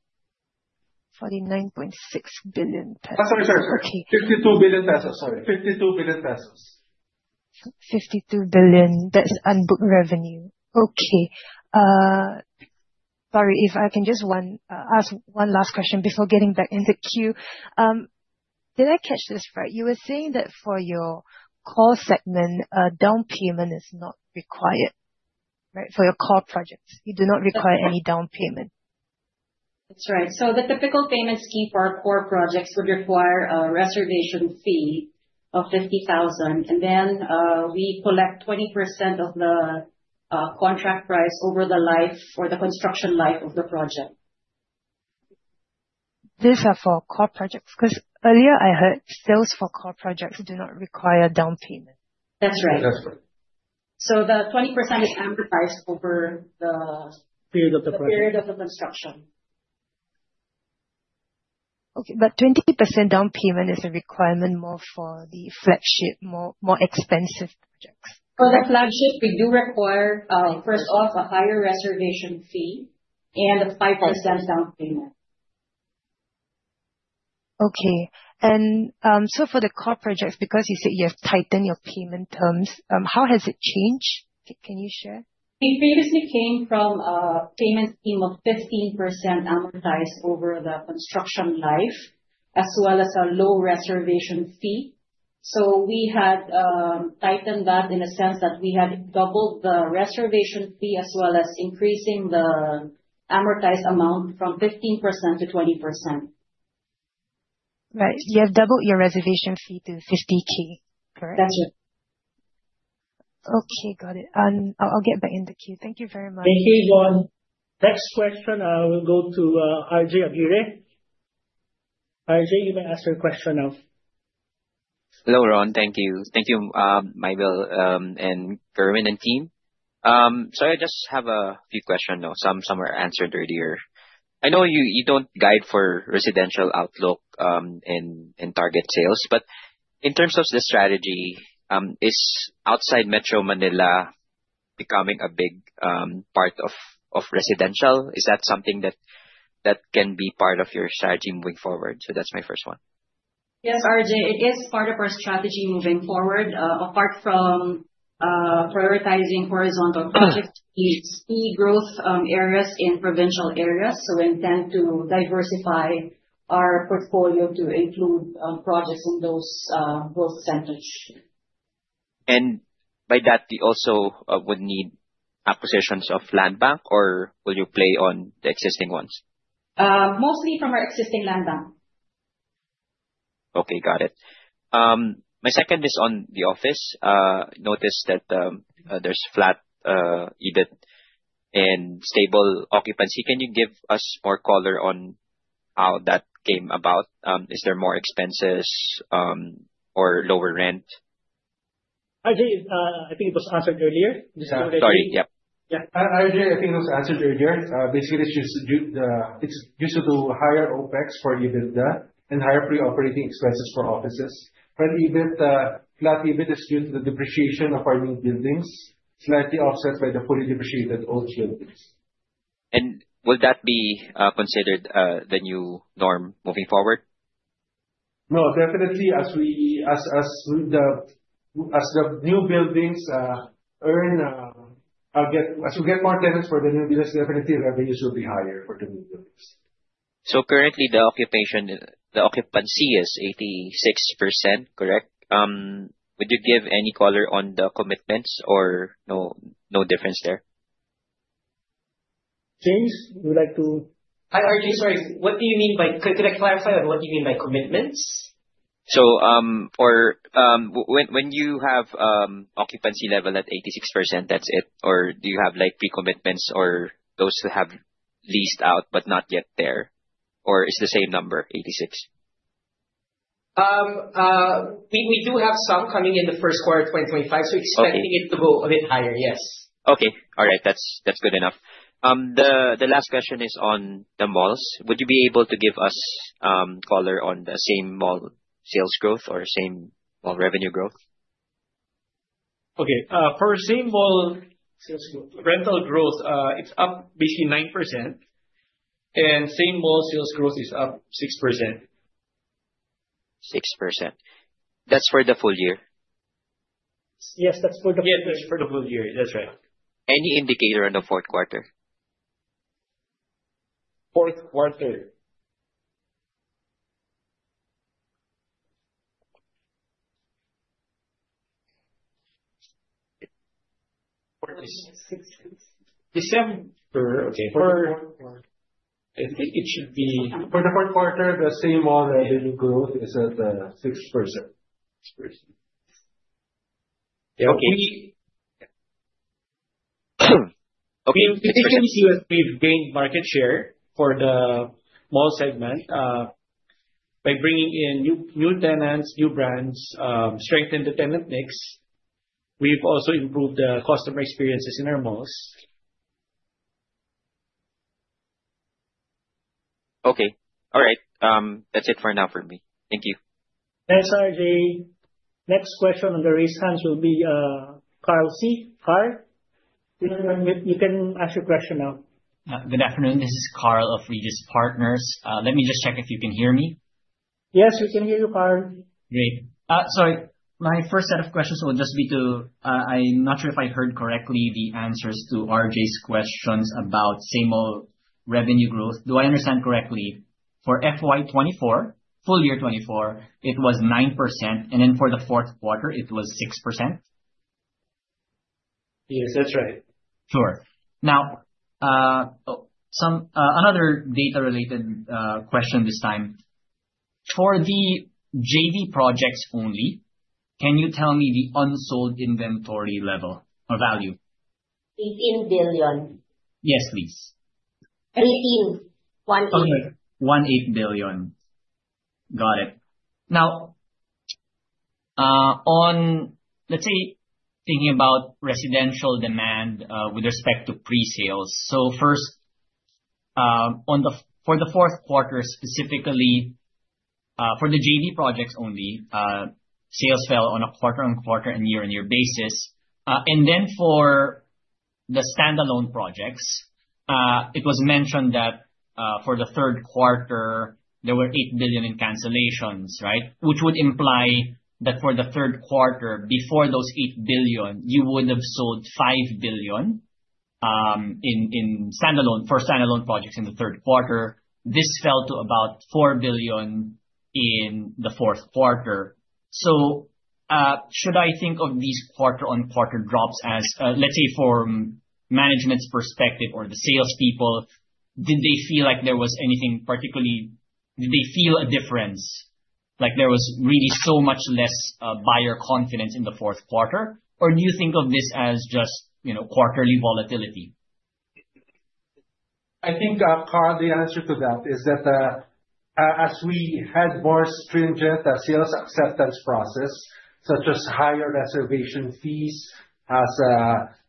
49.6 billion pesos. Sorry. Okay. 52 billion pesos, sorry. 52 billion. That's unbooked revenue. Okay. Sorry, if I can just ask one last question before getting back into queue. Did I catch this right? You were saying that for your core segment, a down payment is not required. Right? For your core projects, you do not require any down payment. That's right. The typical payment scheme for our core projects would require a reservation fee of 50,000, and then we collect 20% of the contract price over the life or the construction life of the project. These are for core projects? Because earlier I heard sales for core projects do not require down payment. That's right. That's right. The 20% is amortized over the. Period of the project. The period of the construction. Okay. 20% down payment is a requirement more for the flagship, more expensive projects. For the flagship, we do require, first off, a higher reservation fee and a 5% down payment. Okay. For the core projects, because you said you have tightened your payment terms, how has it changed? Can you share? We previously came from a payment scheme of 15% amortized over the construction life, as well as a low reservation fee. We had tightened that in a sense that we had doubled the reservation fee, as well as increasing the amortized amount from 15% to 20%. Right. You have doubled your reservation fee to 50,000. Correct? That's it. Okay, got it. I'll get back in the queue. Thank you very much. Thank you, Yvonne. Next question will go to RJ Aguirre. RJ, you may ask your question now. Hello, Ron. Thank you. Thank you, Mybelle and Kerwin and team. Sorry, I just have a few questions. Some were answered earlier. I know you don't guide for residential outlook and target sales, but in terms of the strategy, is outside Metro Manila becoming a big part of residential? Is that something that can be part of your strategy moving forward? That's my first one. Yes, RJ. It is part of our strategy moving forward. Apart from prioritizing horizontal projects, it's the growth areas in provincial areas. We intend to diversify our portfolio to include projects in those centers. By that, you also would need acquisitions of land bank, or will you play on the existing ones? Mostly from our existing land bank. Okay, got it. My second question is on the office. Noticed that there's flat EBIT and stable occupancy. Can you give us more color on how that came about? Is there more expenses or lower rent? RJ, I think it was answered earlier. Sorry. Yep. RJ, I think it was answered earlier. Basically, it's just due to higher OpEx for EBITDA and higher pre-operating expenses for offices. Flat EBIT is due to the depreciation of our new buildings, slightly offset by the fully depreciated old buildings. Will that be considered the new norm moving forward? As we get more tenants for the new buildings, definitely revenues will be higher for the new buildings. Currently, the occupancy is 86%, correct? Would you give any color on the commitments or no difference there? James, would you like to. Hi, RJ. Sorry. Could I clarify on what you mean by commitments? When you have occupancy level at 86%, that's it. Do you have pre-commitments or those who have leased out but not yet there? It's the same number, 86? We do have some coming in the first quarter 2025, so expecting it to go a bit higher, yes. Okay. All right. That's good enough. The last question is on the malls. Would you be able to give us color on the same mall sales growth or same mall revenue growth? Okay. For same mall rental growth, it's up basically 9%, and same mall sales growth is up 6%. 6%. That's for the full year? Yes, that's for the full year. Yeah, that's for the full year. That's right. Any indicator on the fourth quarter? Fourth quarter. December. Okay. For. I think it should be. For the fourth quarter, the same mall revenue growth is at 6%. 6%. Okay. We've gained market share for the mall segment by bringing in new tenants, new brands, strengthened the tenant mix. We've also improved the customer experiences in our malls. Okay. All right. That's it for now from me. Thank you. Thanks, RJ. Next question on the raised hands will be, Carl Sy. Carl, you can ask your question now. Good afternoon. This is Carl of Regis Partners. Let me just check if you can hear me. Yes, we can hear you, Carl. Great. Sorry, my first set of questions will just be to, I'm not sure if I heard correctly the answers to RJ's questions about same mall revenue growth. Do I understand correctly, for FY 2024, full year 2024, it was 9%, and then for the fourth quarter it was 6%? Yes, that's right. Sure. Now, another data-related question this time. For the JV projects only, can you tell me the unsold inventory level or value? 18 billion. Yes, please. 18. 18. Okay. 18 billion. Got it. Now, let's say thinking about residential demand, with respect to pre-sales. First, for the fourth quarter specifically, for the JV projects only, sales fell on a quarter-on-quarter and year-on-year basis. Then for the standalone projects, it was mentioned that for the third quarter, there were 8 billion in cancellations, right? Which would imply that for the third quarter, before those 8 billion, you would have sold 5 billion for standalone projects in the third quarter. This fell to about 4 billion in the fourth quarter. Should I think of these quarter-on-quarter drops as, let's say from management's perspective or the salespeople, did they feel a difference, like there was really so much less buyer confidence in the fourth quarter? Or do you think of this as just quarterly volatility? I think, Carl, the answer to that is that, as we had more stringent sales acceptance process, such as higher reservation fees, as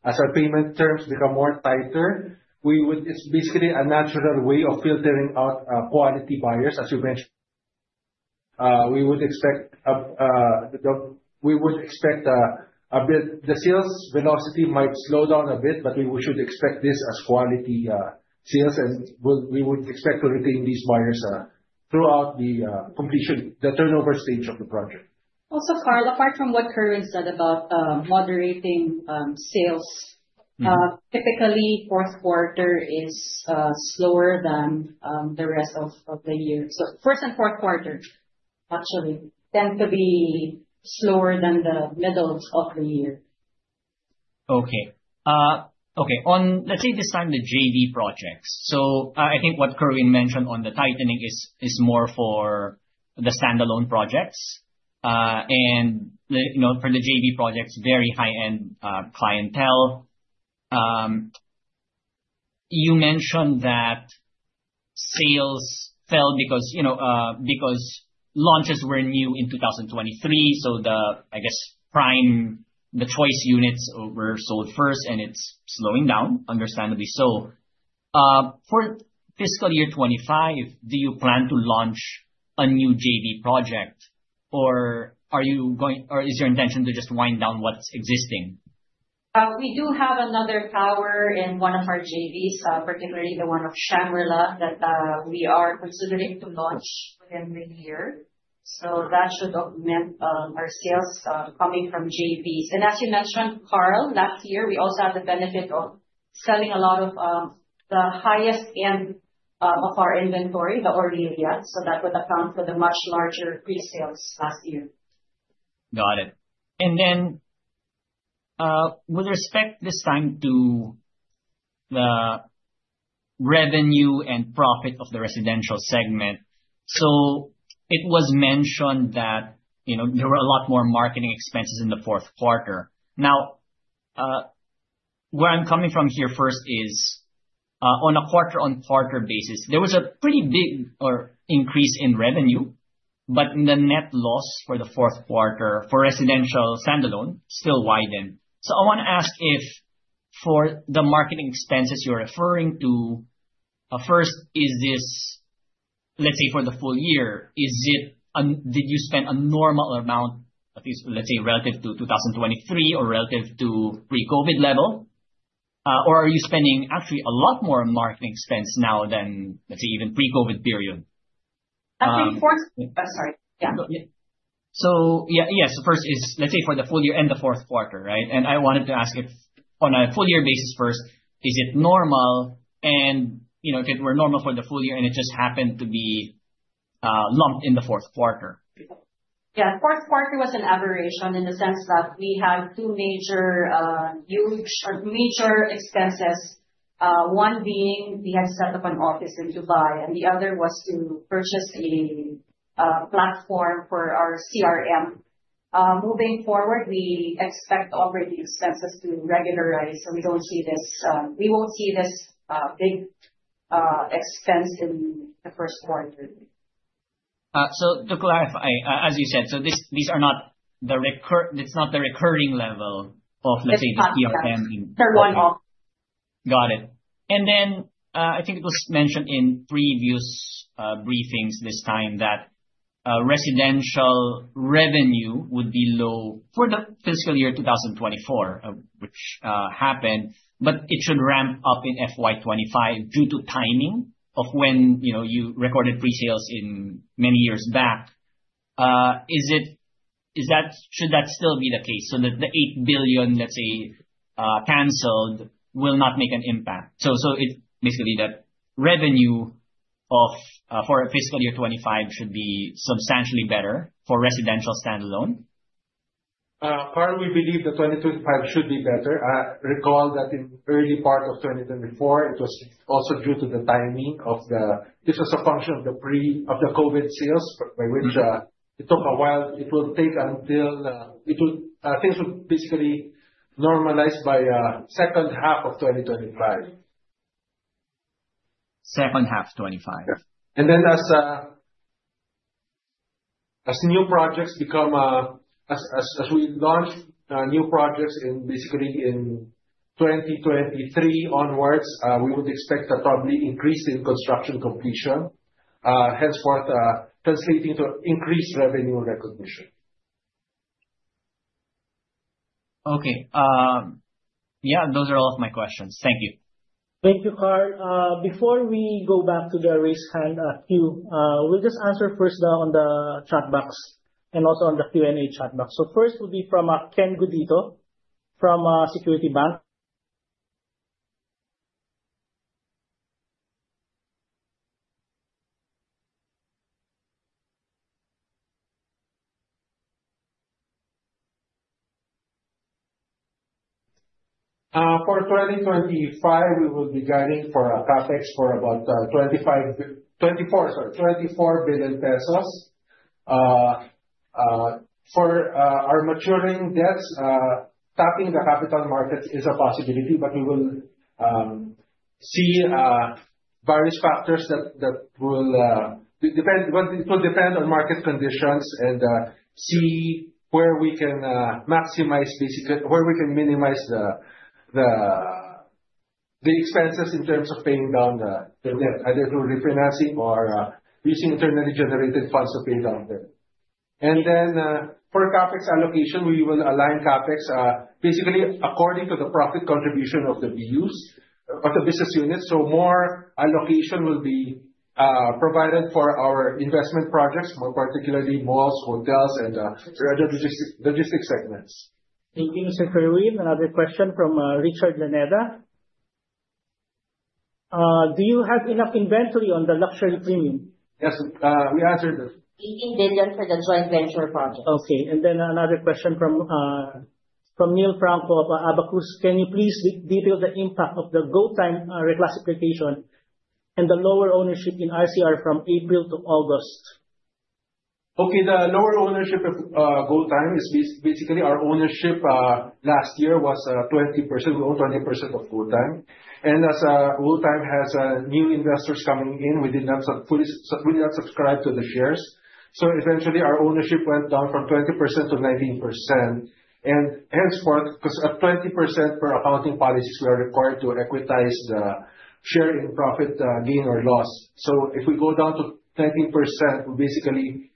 our payment terms become more tighter, it's basically a natural way of filtering out quality buyers, as you mentioned. We would expect the sales velocity might slow down a bit, but we should expect this as quality sales, and we would expect to retain these buyers throughout the completion, the turnover stage of the project. Also, Carl, apart from what Kerwin said about moderating sales. Mm-hmm. Typically, fourth quarter is slower than the rest of the year. First and fourth quarter actually tend to be slower than the middles of the year. Okay. Let's say this time the JV projects. I think what Kerwin mentioned on the tightening is more for the standalone projects. For the JV projects, very high-end clientele. You mentioned that sales fell because launches were new in 2023, so the prime, the choice units were sold first, and it's slowing down, understandably so. For fiscal year 2025, do you plan to launch a new JV project, or is your intention to just wind down what's existing? We do have another tower in one of our JVs, particularly the one of Shang that we are considering to launch within the year. That should augment our sales coming from JVs. As you mentioned, Carl, last year, we also had the benefit of selling a lot of the highest end of our inventory, The Aurelia. That would account for the much larger pre-sales last year. Got it. Then, with respect to this time to the revenue and profit of the residential segment. It was mentioned that there were a lot more marketing expenses in the fourth quarter. Now, where I'm coming from here first is, on a quarter-on-quarter basis, there was a pretty big increase in revenue. The net loss for the fourth quarter for residential standalone still widened. I want to ask if, for the marketing expenses you're referring to, first, let's say for the full year, did you spend a normal amount at least, let's say, relative to 2023 or relative to pre-COVID level? Are you spending actually a lot more on marketing expense now than, let's say, even pre-COVID period? I'm sorry. Yeah. Yeah. First is, let's say for the full year and the fourth quarter, right? I wanted to ask if, on a full year basis first, is it normal? If it were normal for the full year, and it just happened to be lumped in the fourth quarter. Yeah. Fourth quarter was an aberration in the sense that we had two major expenses. One being we had to set up an office in Dubai, and the other was to purchase a platform for our CRM. Moving forward, we expect all these expenses to regularize, so we won't see this big expense in the first quarter. To clarify, as you said, it's not the recurring level of, let's say. It's not. The EFM in. They're one-off. Got it. I think it was mentioned in previous briefings this time that residential revenue would be low for the fiscal year 2024, which happened, but it should ramp up in FY 2025 due to timing of when you recorded pre-sales many years back. Should that still be the case? That the 8 billion, let's say, canceled will not make an impact. Basically, the revenue for fiscal year 2025 should be substantially better for residential standalone? Carl, we believe that 2025 should be better. Recall that in early part of 2024, it was also due to the timing. This was a function of the COVID sales by which it took a while. I think it will basically normalize by second half of 2025. Second half 2025. Yeah. As we launch new projects basically in 2023 onwards, we would expect a probably increase in construction completion, henceforth translating to increased revenue recognition. Okay. Yeah, those are all of my questions. Thank you. Thank you, Carl. Before we go back to the raise hand queue, we'll just answer first on the chat box and also on the Q&A chat box. First will be from Ken Gudito from Security Bank. For 2025, we will be guiding for CapEx for about 24 billion pesos. For our maturing debts, tapping the capital markets is a possibility, but we will see various factors. It will depend on market conditions and see where we can minimize the expenses in terms of paying down the debt, either through refinancing or using internally generated funds to pay down debt. For CapEx allocation, we will align CapEx basically according to the profit contribution of the business units. More allocation will be provided for our investment projects, more particularly malls, hotels, and logistics segments. Thank you, Mr. Kerwin. Another question from Richard Lañeda. Do you have enough inventory on the luxury premium? Yes. We answered this. 18 billion for the joint venture projects. Okay. Another question from Neil Franco of Abacus. Can you please detail the impact of the GoTyme reclassification and the lower ownership in RCR from April to August? Okay. The lower ownership of GoTyme is basically our ownership last year was 20%. We own 20% of GoTyme. As GoTyme has new investors coming in, we did not fully subscribe to the shares. Eventually our ownership went down from 20% to 19%. Henceforth, because at 20% per accounting policies, we are required to equitize the share in profit gain or loss. If we go down to 19%, we basically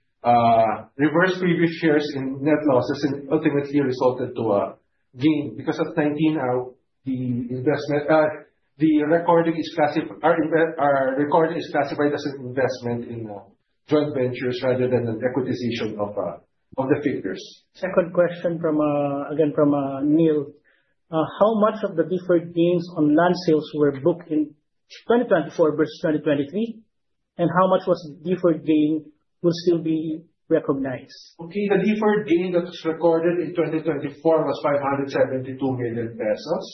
reverse previous shares in net losses and ultimately resulted to a gain. Because at 19, our record is classified as an investment in joint ventures rather than an equitization of the figures. Second question, again, from Neil. How much of the deferred gains on land sales were booked in 2024 versus 2023? And how much was the deferred gain will still be recognized? Okay. The deferred gain that was recorded in 2024 was 572 million pesos.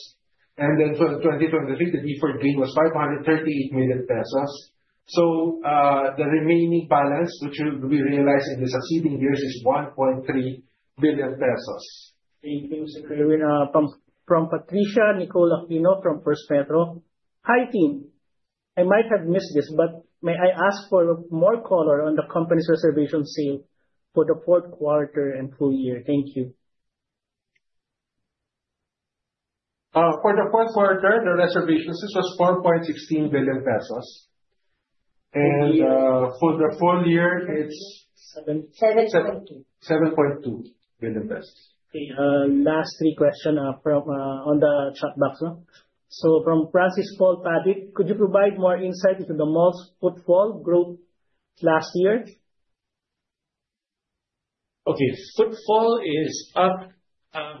In 2023, the deferred gain was 538 million pesos. The remaining balance, which will be realized in the succeeding years, is 1.3 billion pesos. Thank you, Sir Kerwin. From Patricia Nicole Aquino from First Metro. Hi, team. I might have missed this, but may I ask for more color on the company's reservation sale for the fourth quarter and full year? Thank you. For the fourth quarter, the reservation, this was 4.16 billion pesos. For the full year, it's 7.2 billion pesos. Okay. Last three questions on the chat box. From Francis Paul Padit. Could you provide more insight into the malls footfall growth last year? Okay. Footfall is up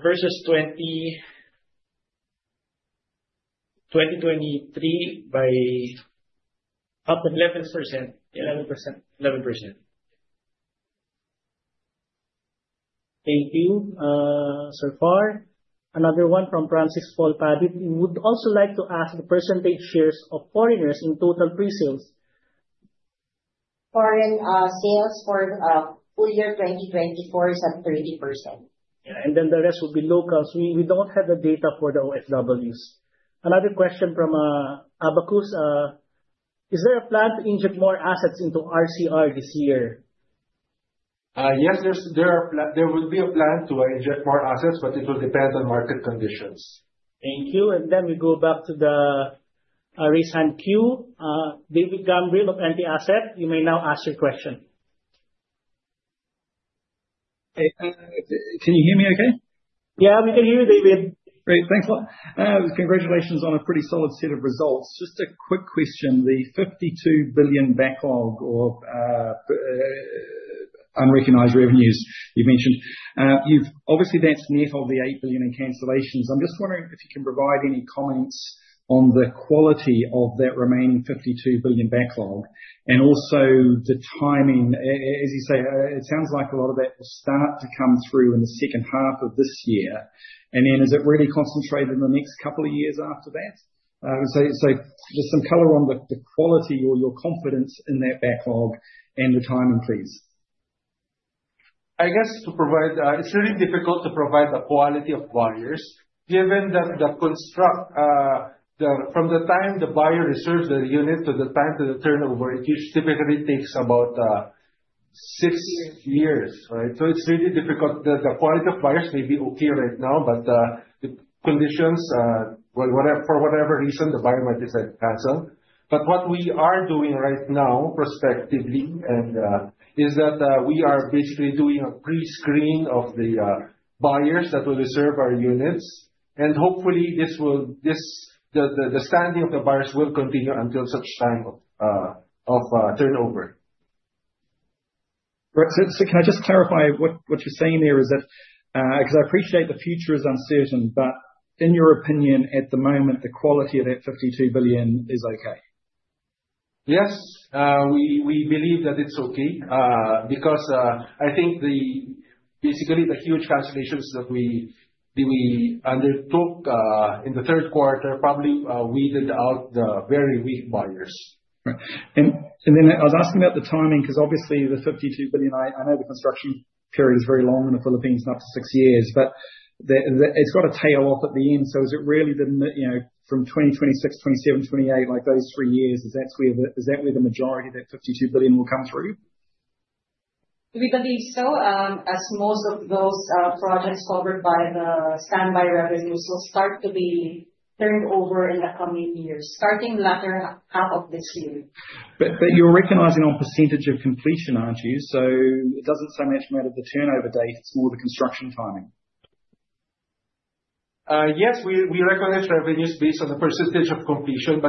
versus 2023 by 11%. Thank you so far. Another one from Francis Paul Padit. We would also like to ask the percentage shares of foreigners in total pre-sales? Foreign sales for full year 2024 is at 30%. Yeah. The rest will be locals. We don't have the data for the OFWs. Another question from Abacus. Is there a plan to inject more assets into RCR this year? Yes. There would be a plan to inject more assets, but it will depend on market conditions. Thank you. We go back to the raised hand queue. David Gambrill of NTAsset, you may now ask your question. Can you hear me okay? Yeah, we can hear you, David. Great. Thanks a lot. Congratulations on a pretty solid set of results. Just a quick question. The 52 billion backlog or unrecognized revenues you mentioned. Obviously, that's net of the 8 billion in cancellations. I'm just wondering if you can provide any comments on the quality of that remaining 52 billion backlog. And also the timing, as you say, it sounds like a lot of that will start to come through in the second half of this year. And then is it really concentrated in the next couple of years after that? Just some color on the quality or your confidence in that backlog and the timing, please. It's really difficult to provide the quality of buyers given that the construct from the time the buyer reserves the unit to the time to the turnover, it usually typically takes about six years, right? It's really difficult that the quality of buyers may be okay right now, but the conditions, for whatever reason, the buyer might just said cancel. What we are doing right now prospectively is that we are basically doing a pre-screen of the buyers that will reserve our units. Hopefully the standing of the buyers will continue until such time of turnover. Can I just clarify what you're saying there is that, because I appreciate the future is uncertain, but in your opinion at the moment, the quality of that 52 billion is okay? Yes. We believe that it's okay, because I think basically the huge cancellations that we undertook, in the third quarter probably weeded out the very weak buyers. Right. I was asking about the timing, because obviously the 52 billion, I know the construction period is very long in the Philippines, up to six years, but it's got to tail off at the end. Is it really from 2026, 2027, 2028, like those three years? Is that where the majority of that 52 billion will come through? We believe so, as most of those projects covered by the standby revenues will start to be turned over in the coming years, starting latter half of this year. You're recognizing on percentage of completion, aren't you? It doesn't so much matter the turnover date or the construction timing. Yes, we recognize revenues based on the percentage of completion.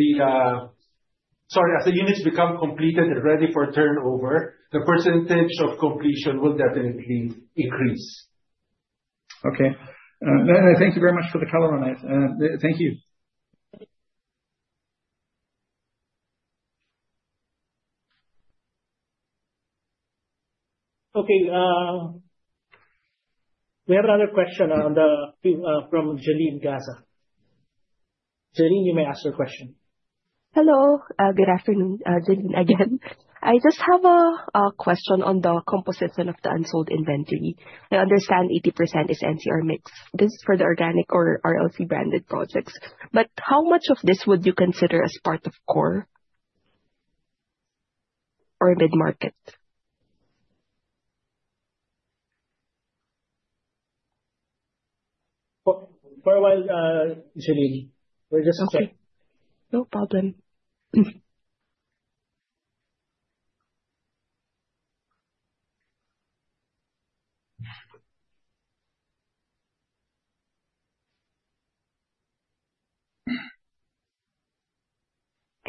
As the units become completed and ready for turnover, the percentage of completion will definitely increase. Okay. No, thank you very much for the color on it. Thank you. Okay. We have another question from Jelline Gaza. Jelline, you may ask your question. Hello. Good afternoon. Jelline Gaza again. I just have a question on the composition of the unsold inventory. I understand 80% is NCR mixed. This is for the organic or RLC-branded projects. How much of this would you consider as part of core or mid-market? For a while, Jelline, we're just. Okay. No problem.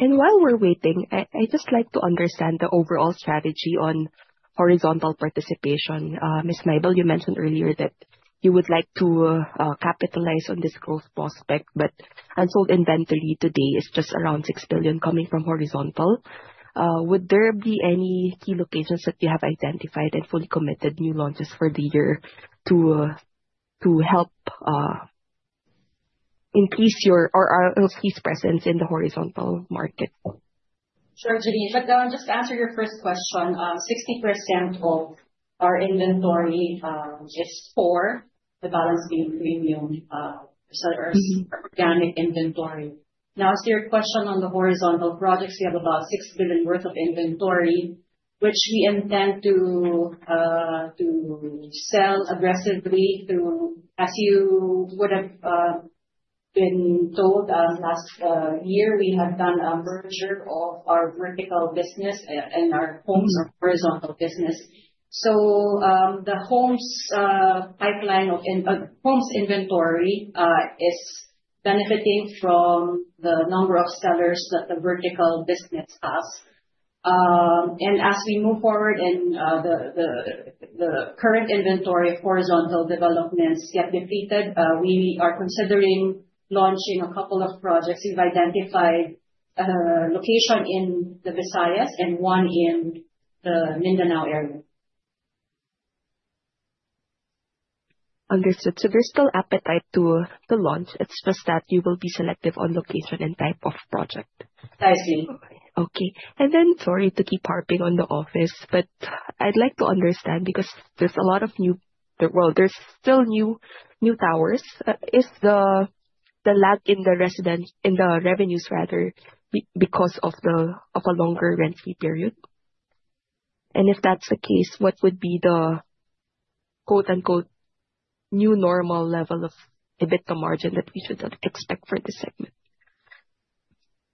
While we're waiting, I'd like to understand the overall strategy on horizontal participation. Miss Mybelle, you mentioned earlier that you would like to capitalize on this growth prospect, but unsold inventory today is just around $6 billion coming from horizontal. Would there be any key locations that you have identified and fully committed new launches for the year to help increase your RLC's presence in the horizontal market? Sure, Jelline. To just answer your first question, 60% of our inventory is for the balance being premium sellers, organic inventory. Now, as to your question on the horizontal projects, we have about 6 billion worth of inventory, which we intend to sell aggressively through. As you would have been told, last year, we had done a merger of our vertical business and our homes or horizontal business. The homes inventory is benefiting from the number of sellers that the vertical business has. As we move forward and the current inventory of horizontal developments get depleted, we are considering launching a couple of projects. We've identified a location in the Visayas and one in the Mindanao area. Understood. There's still appetite to launch. It's just that you will be selective on location and type of project. I see. Okay. Sorry to keep harping on the office, but I'd like to understand because, well, there's still new towers. Is the lag in the revenues because of a longer rent-free period? If that's the case, what would be the quote, unquote, "new normal level of EBITDA margin" that we should expect for this segment?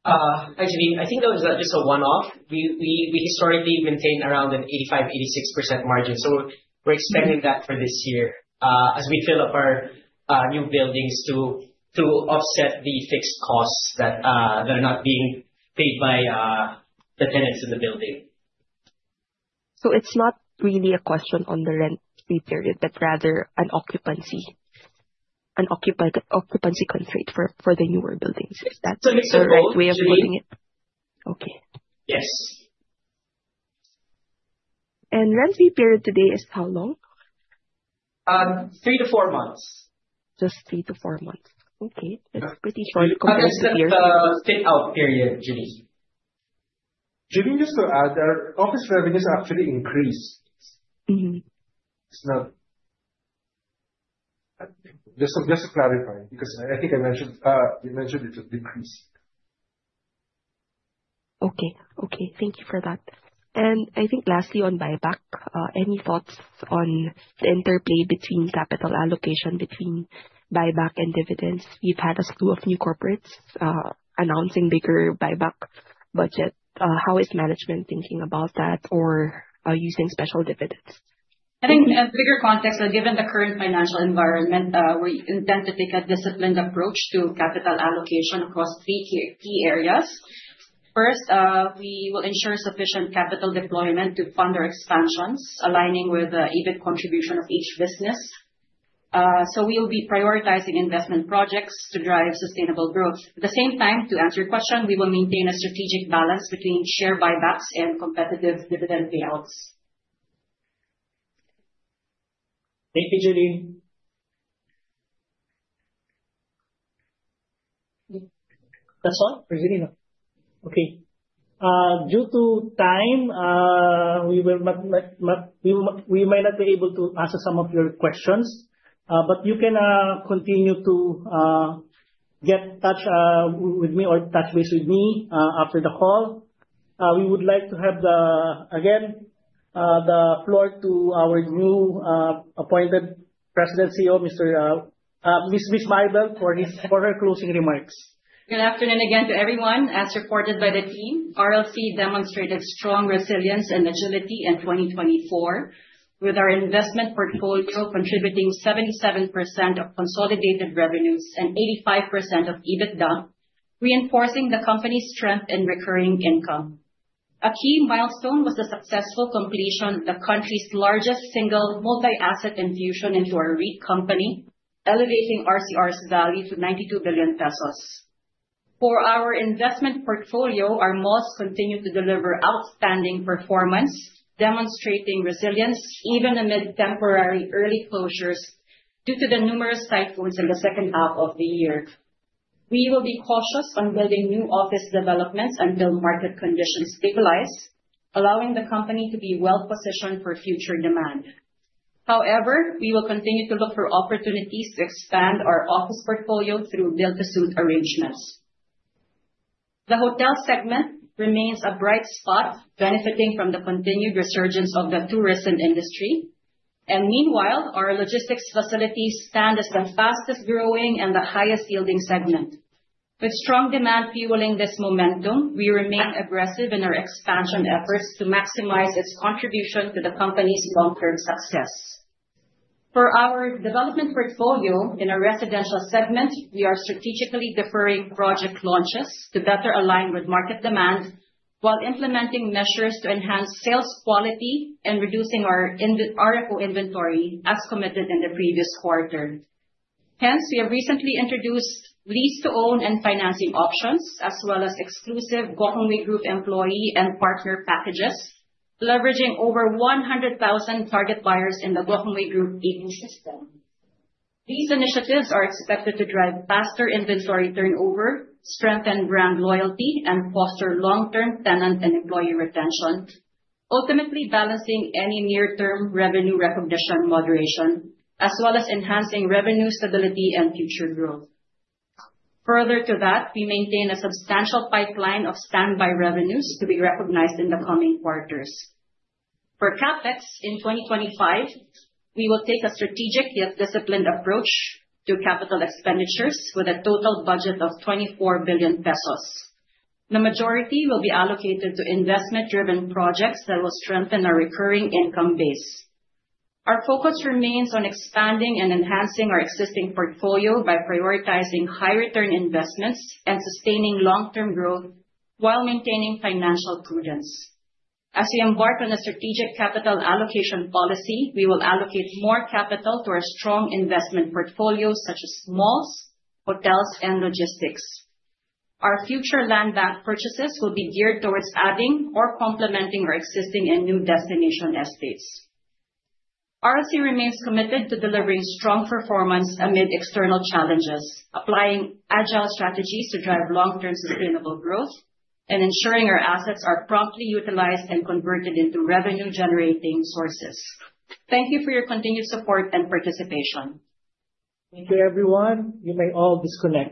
Hi, Jelline. I think that was just a one-off. We historically maintain around an 85%-86% margin. We're expecting that for this year as we fill up our new buildings to offset the fixed costs that are not being paid by the tenants in the building. It's not really a question on the rent-free period, but rather an occupancy constraint for the newer buildings. Is that the right way of putting it? Yes. Rent-free period today is how long? Three to four months. Just three to four months. Okay. That's pretty short compared to the years. That's the fit-out period, Jelline. Jelline, just to add, our office revenues actually increased. Mm-hmm. Just to clarify, because I think you mentioned it had decreased. Okay. Thank you for that. I think lastly on buyback, any thoughts on the interplay between capital allocation between buyback and dividends? We've had a slew of new corporates announcing bigger buyback budget. How is management thinking about that or using special dividends? I think in a bigger context, given the current financial environment, we intend to take a disciplined approach to capital allocation across three key areas. First, we will ensure sufficient capital deployment to fund our expansions, aligning with the EBIT contribution of each business. We will be prioritizing investment projects to drive sustainable growth. At the same time, to answer your question, we will maintain a strategic balance between share buybacks and competitive dividend payouts. Thank you, Jelline. That's all for Jelline? Okay. Due to time, we may not be able to answer some of your questions, but you can continue to get in touch with me or touch base with me after the call. We would like to give the floor to our new appointed President CEO, Miss Mybelle, for her closing remarks. Good afternoon again to everyone. As reported by the team, RLC demonstrated strong resilience and agility in 2024, with our investment portfolio contributing 77% of consolidated revenues and 85% of EBITDA, reinforcing the company's strength in recurring income. A key milestone was the successful completion of the country's largest single multi-asset infusion into our REIT company, elevating RCR's value to 92 billion pesos. For our investment portfolio, our malls continue to deliver outstanding performance, demonstrating resilience even amid temporary early closures due to the numerous typhoons in the second half of the year. We will be cautious on building new office developments until market conditions stabilize, allowing the company to be well-positioned for future demand. However, we will continue to look for opportunities to expand our office portfolio through build-to-suit arrangements. The hotel segment remains a bright spot, benefiting from the continued resurgence of the tourism industry. Meanwhile, our logistics facilities stand as the fastest-growing and the highest-yielding segment. With strong demand fueling this momentum, we remain aggressive in our expansion efforts to maximize its contribution to the company's long-term success. For our development portfolio in our residential segment, we are strategically deferring project launches to better align with market demand, while implementing measures to enhance sales quality and reducing our RFO inventory as committed in the previous quarter. Hence, we have recently introduced lease-to-own and financing options, as well as exclusive Gokongwei Group employee and partner packages, leveraging over 100,000 target buyers in the Gokongwei Group ecosystem. These initiatives are expected to drive faster inventory turnover, strengthen brand loyalty, and foster long-term tenant and employee retention, ultimately balancing any near-term revenue recognition moderation, as well as enhancing revenue stability and future growth. Further to that, we maintain a substantial pipeline of standby revenues to be recognized in the coming quarters. For CapEx in 2025, we will take a strategic yet disciplined approach to capital expenditures with a total budget of 24 billion pesos. The majority will be allocated to investment-driven projects that will strengthen our recurring income base. Our focus remains on expanding and enhancing our existing portfolio by prioritizing high-return investments and sustaining long-term growth while maintaining financial prudence. As we embark on a strategic capital allocation policy, we will allocate more capital to our strong investment portfolios such as malls, hotels, and logistics. Our future land bank purchases will be geared towards adding or complementing our existing and new Destination Estates. RLC remains committed to delivering strong performance amid external challenges, applying agile strategies to drive long-term sustainable growth, and ensuring our assets are promptly utilized and converted into revenue-generating sources. Thank you for your continued support and participation. Thank you, everyone. You may all disconnect.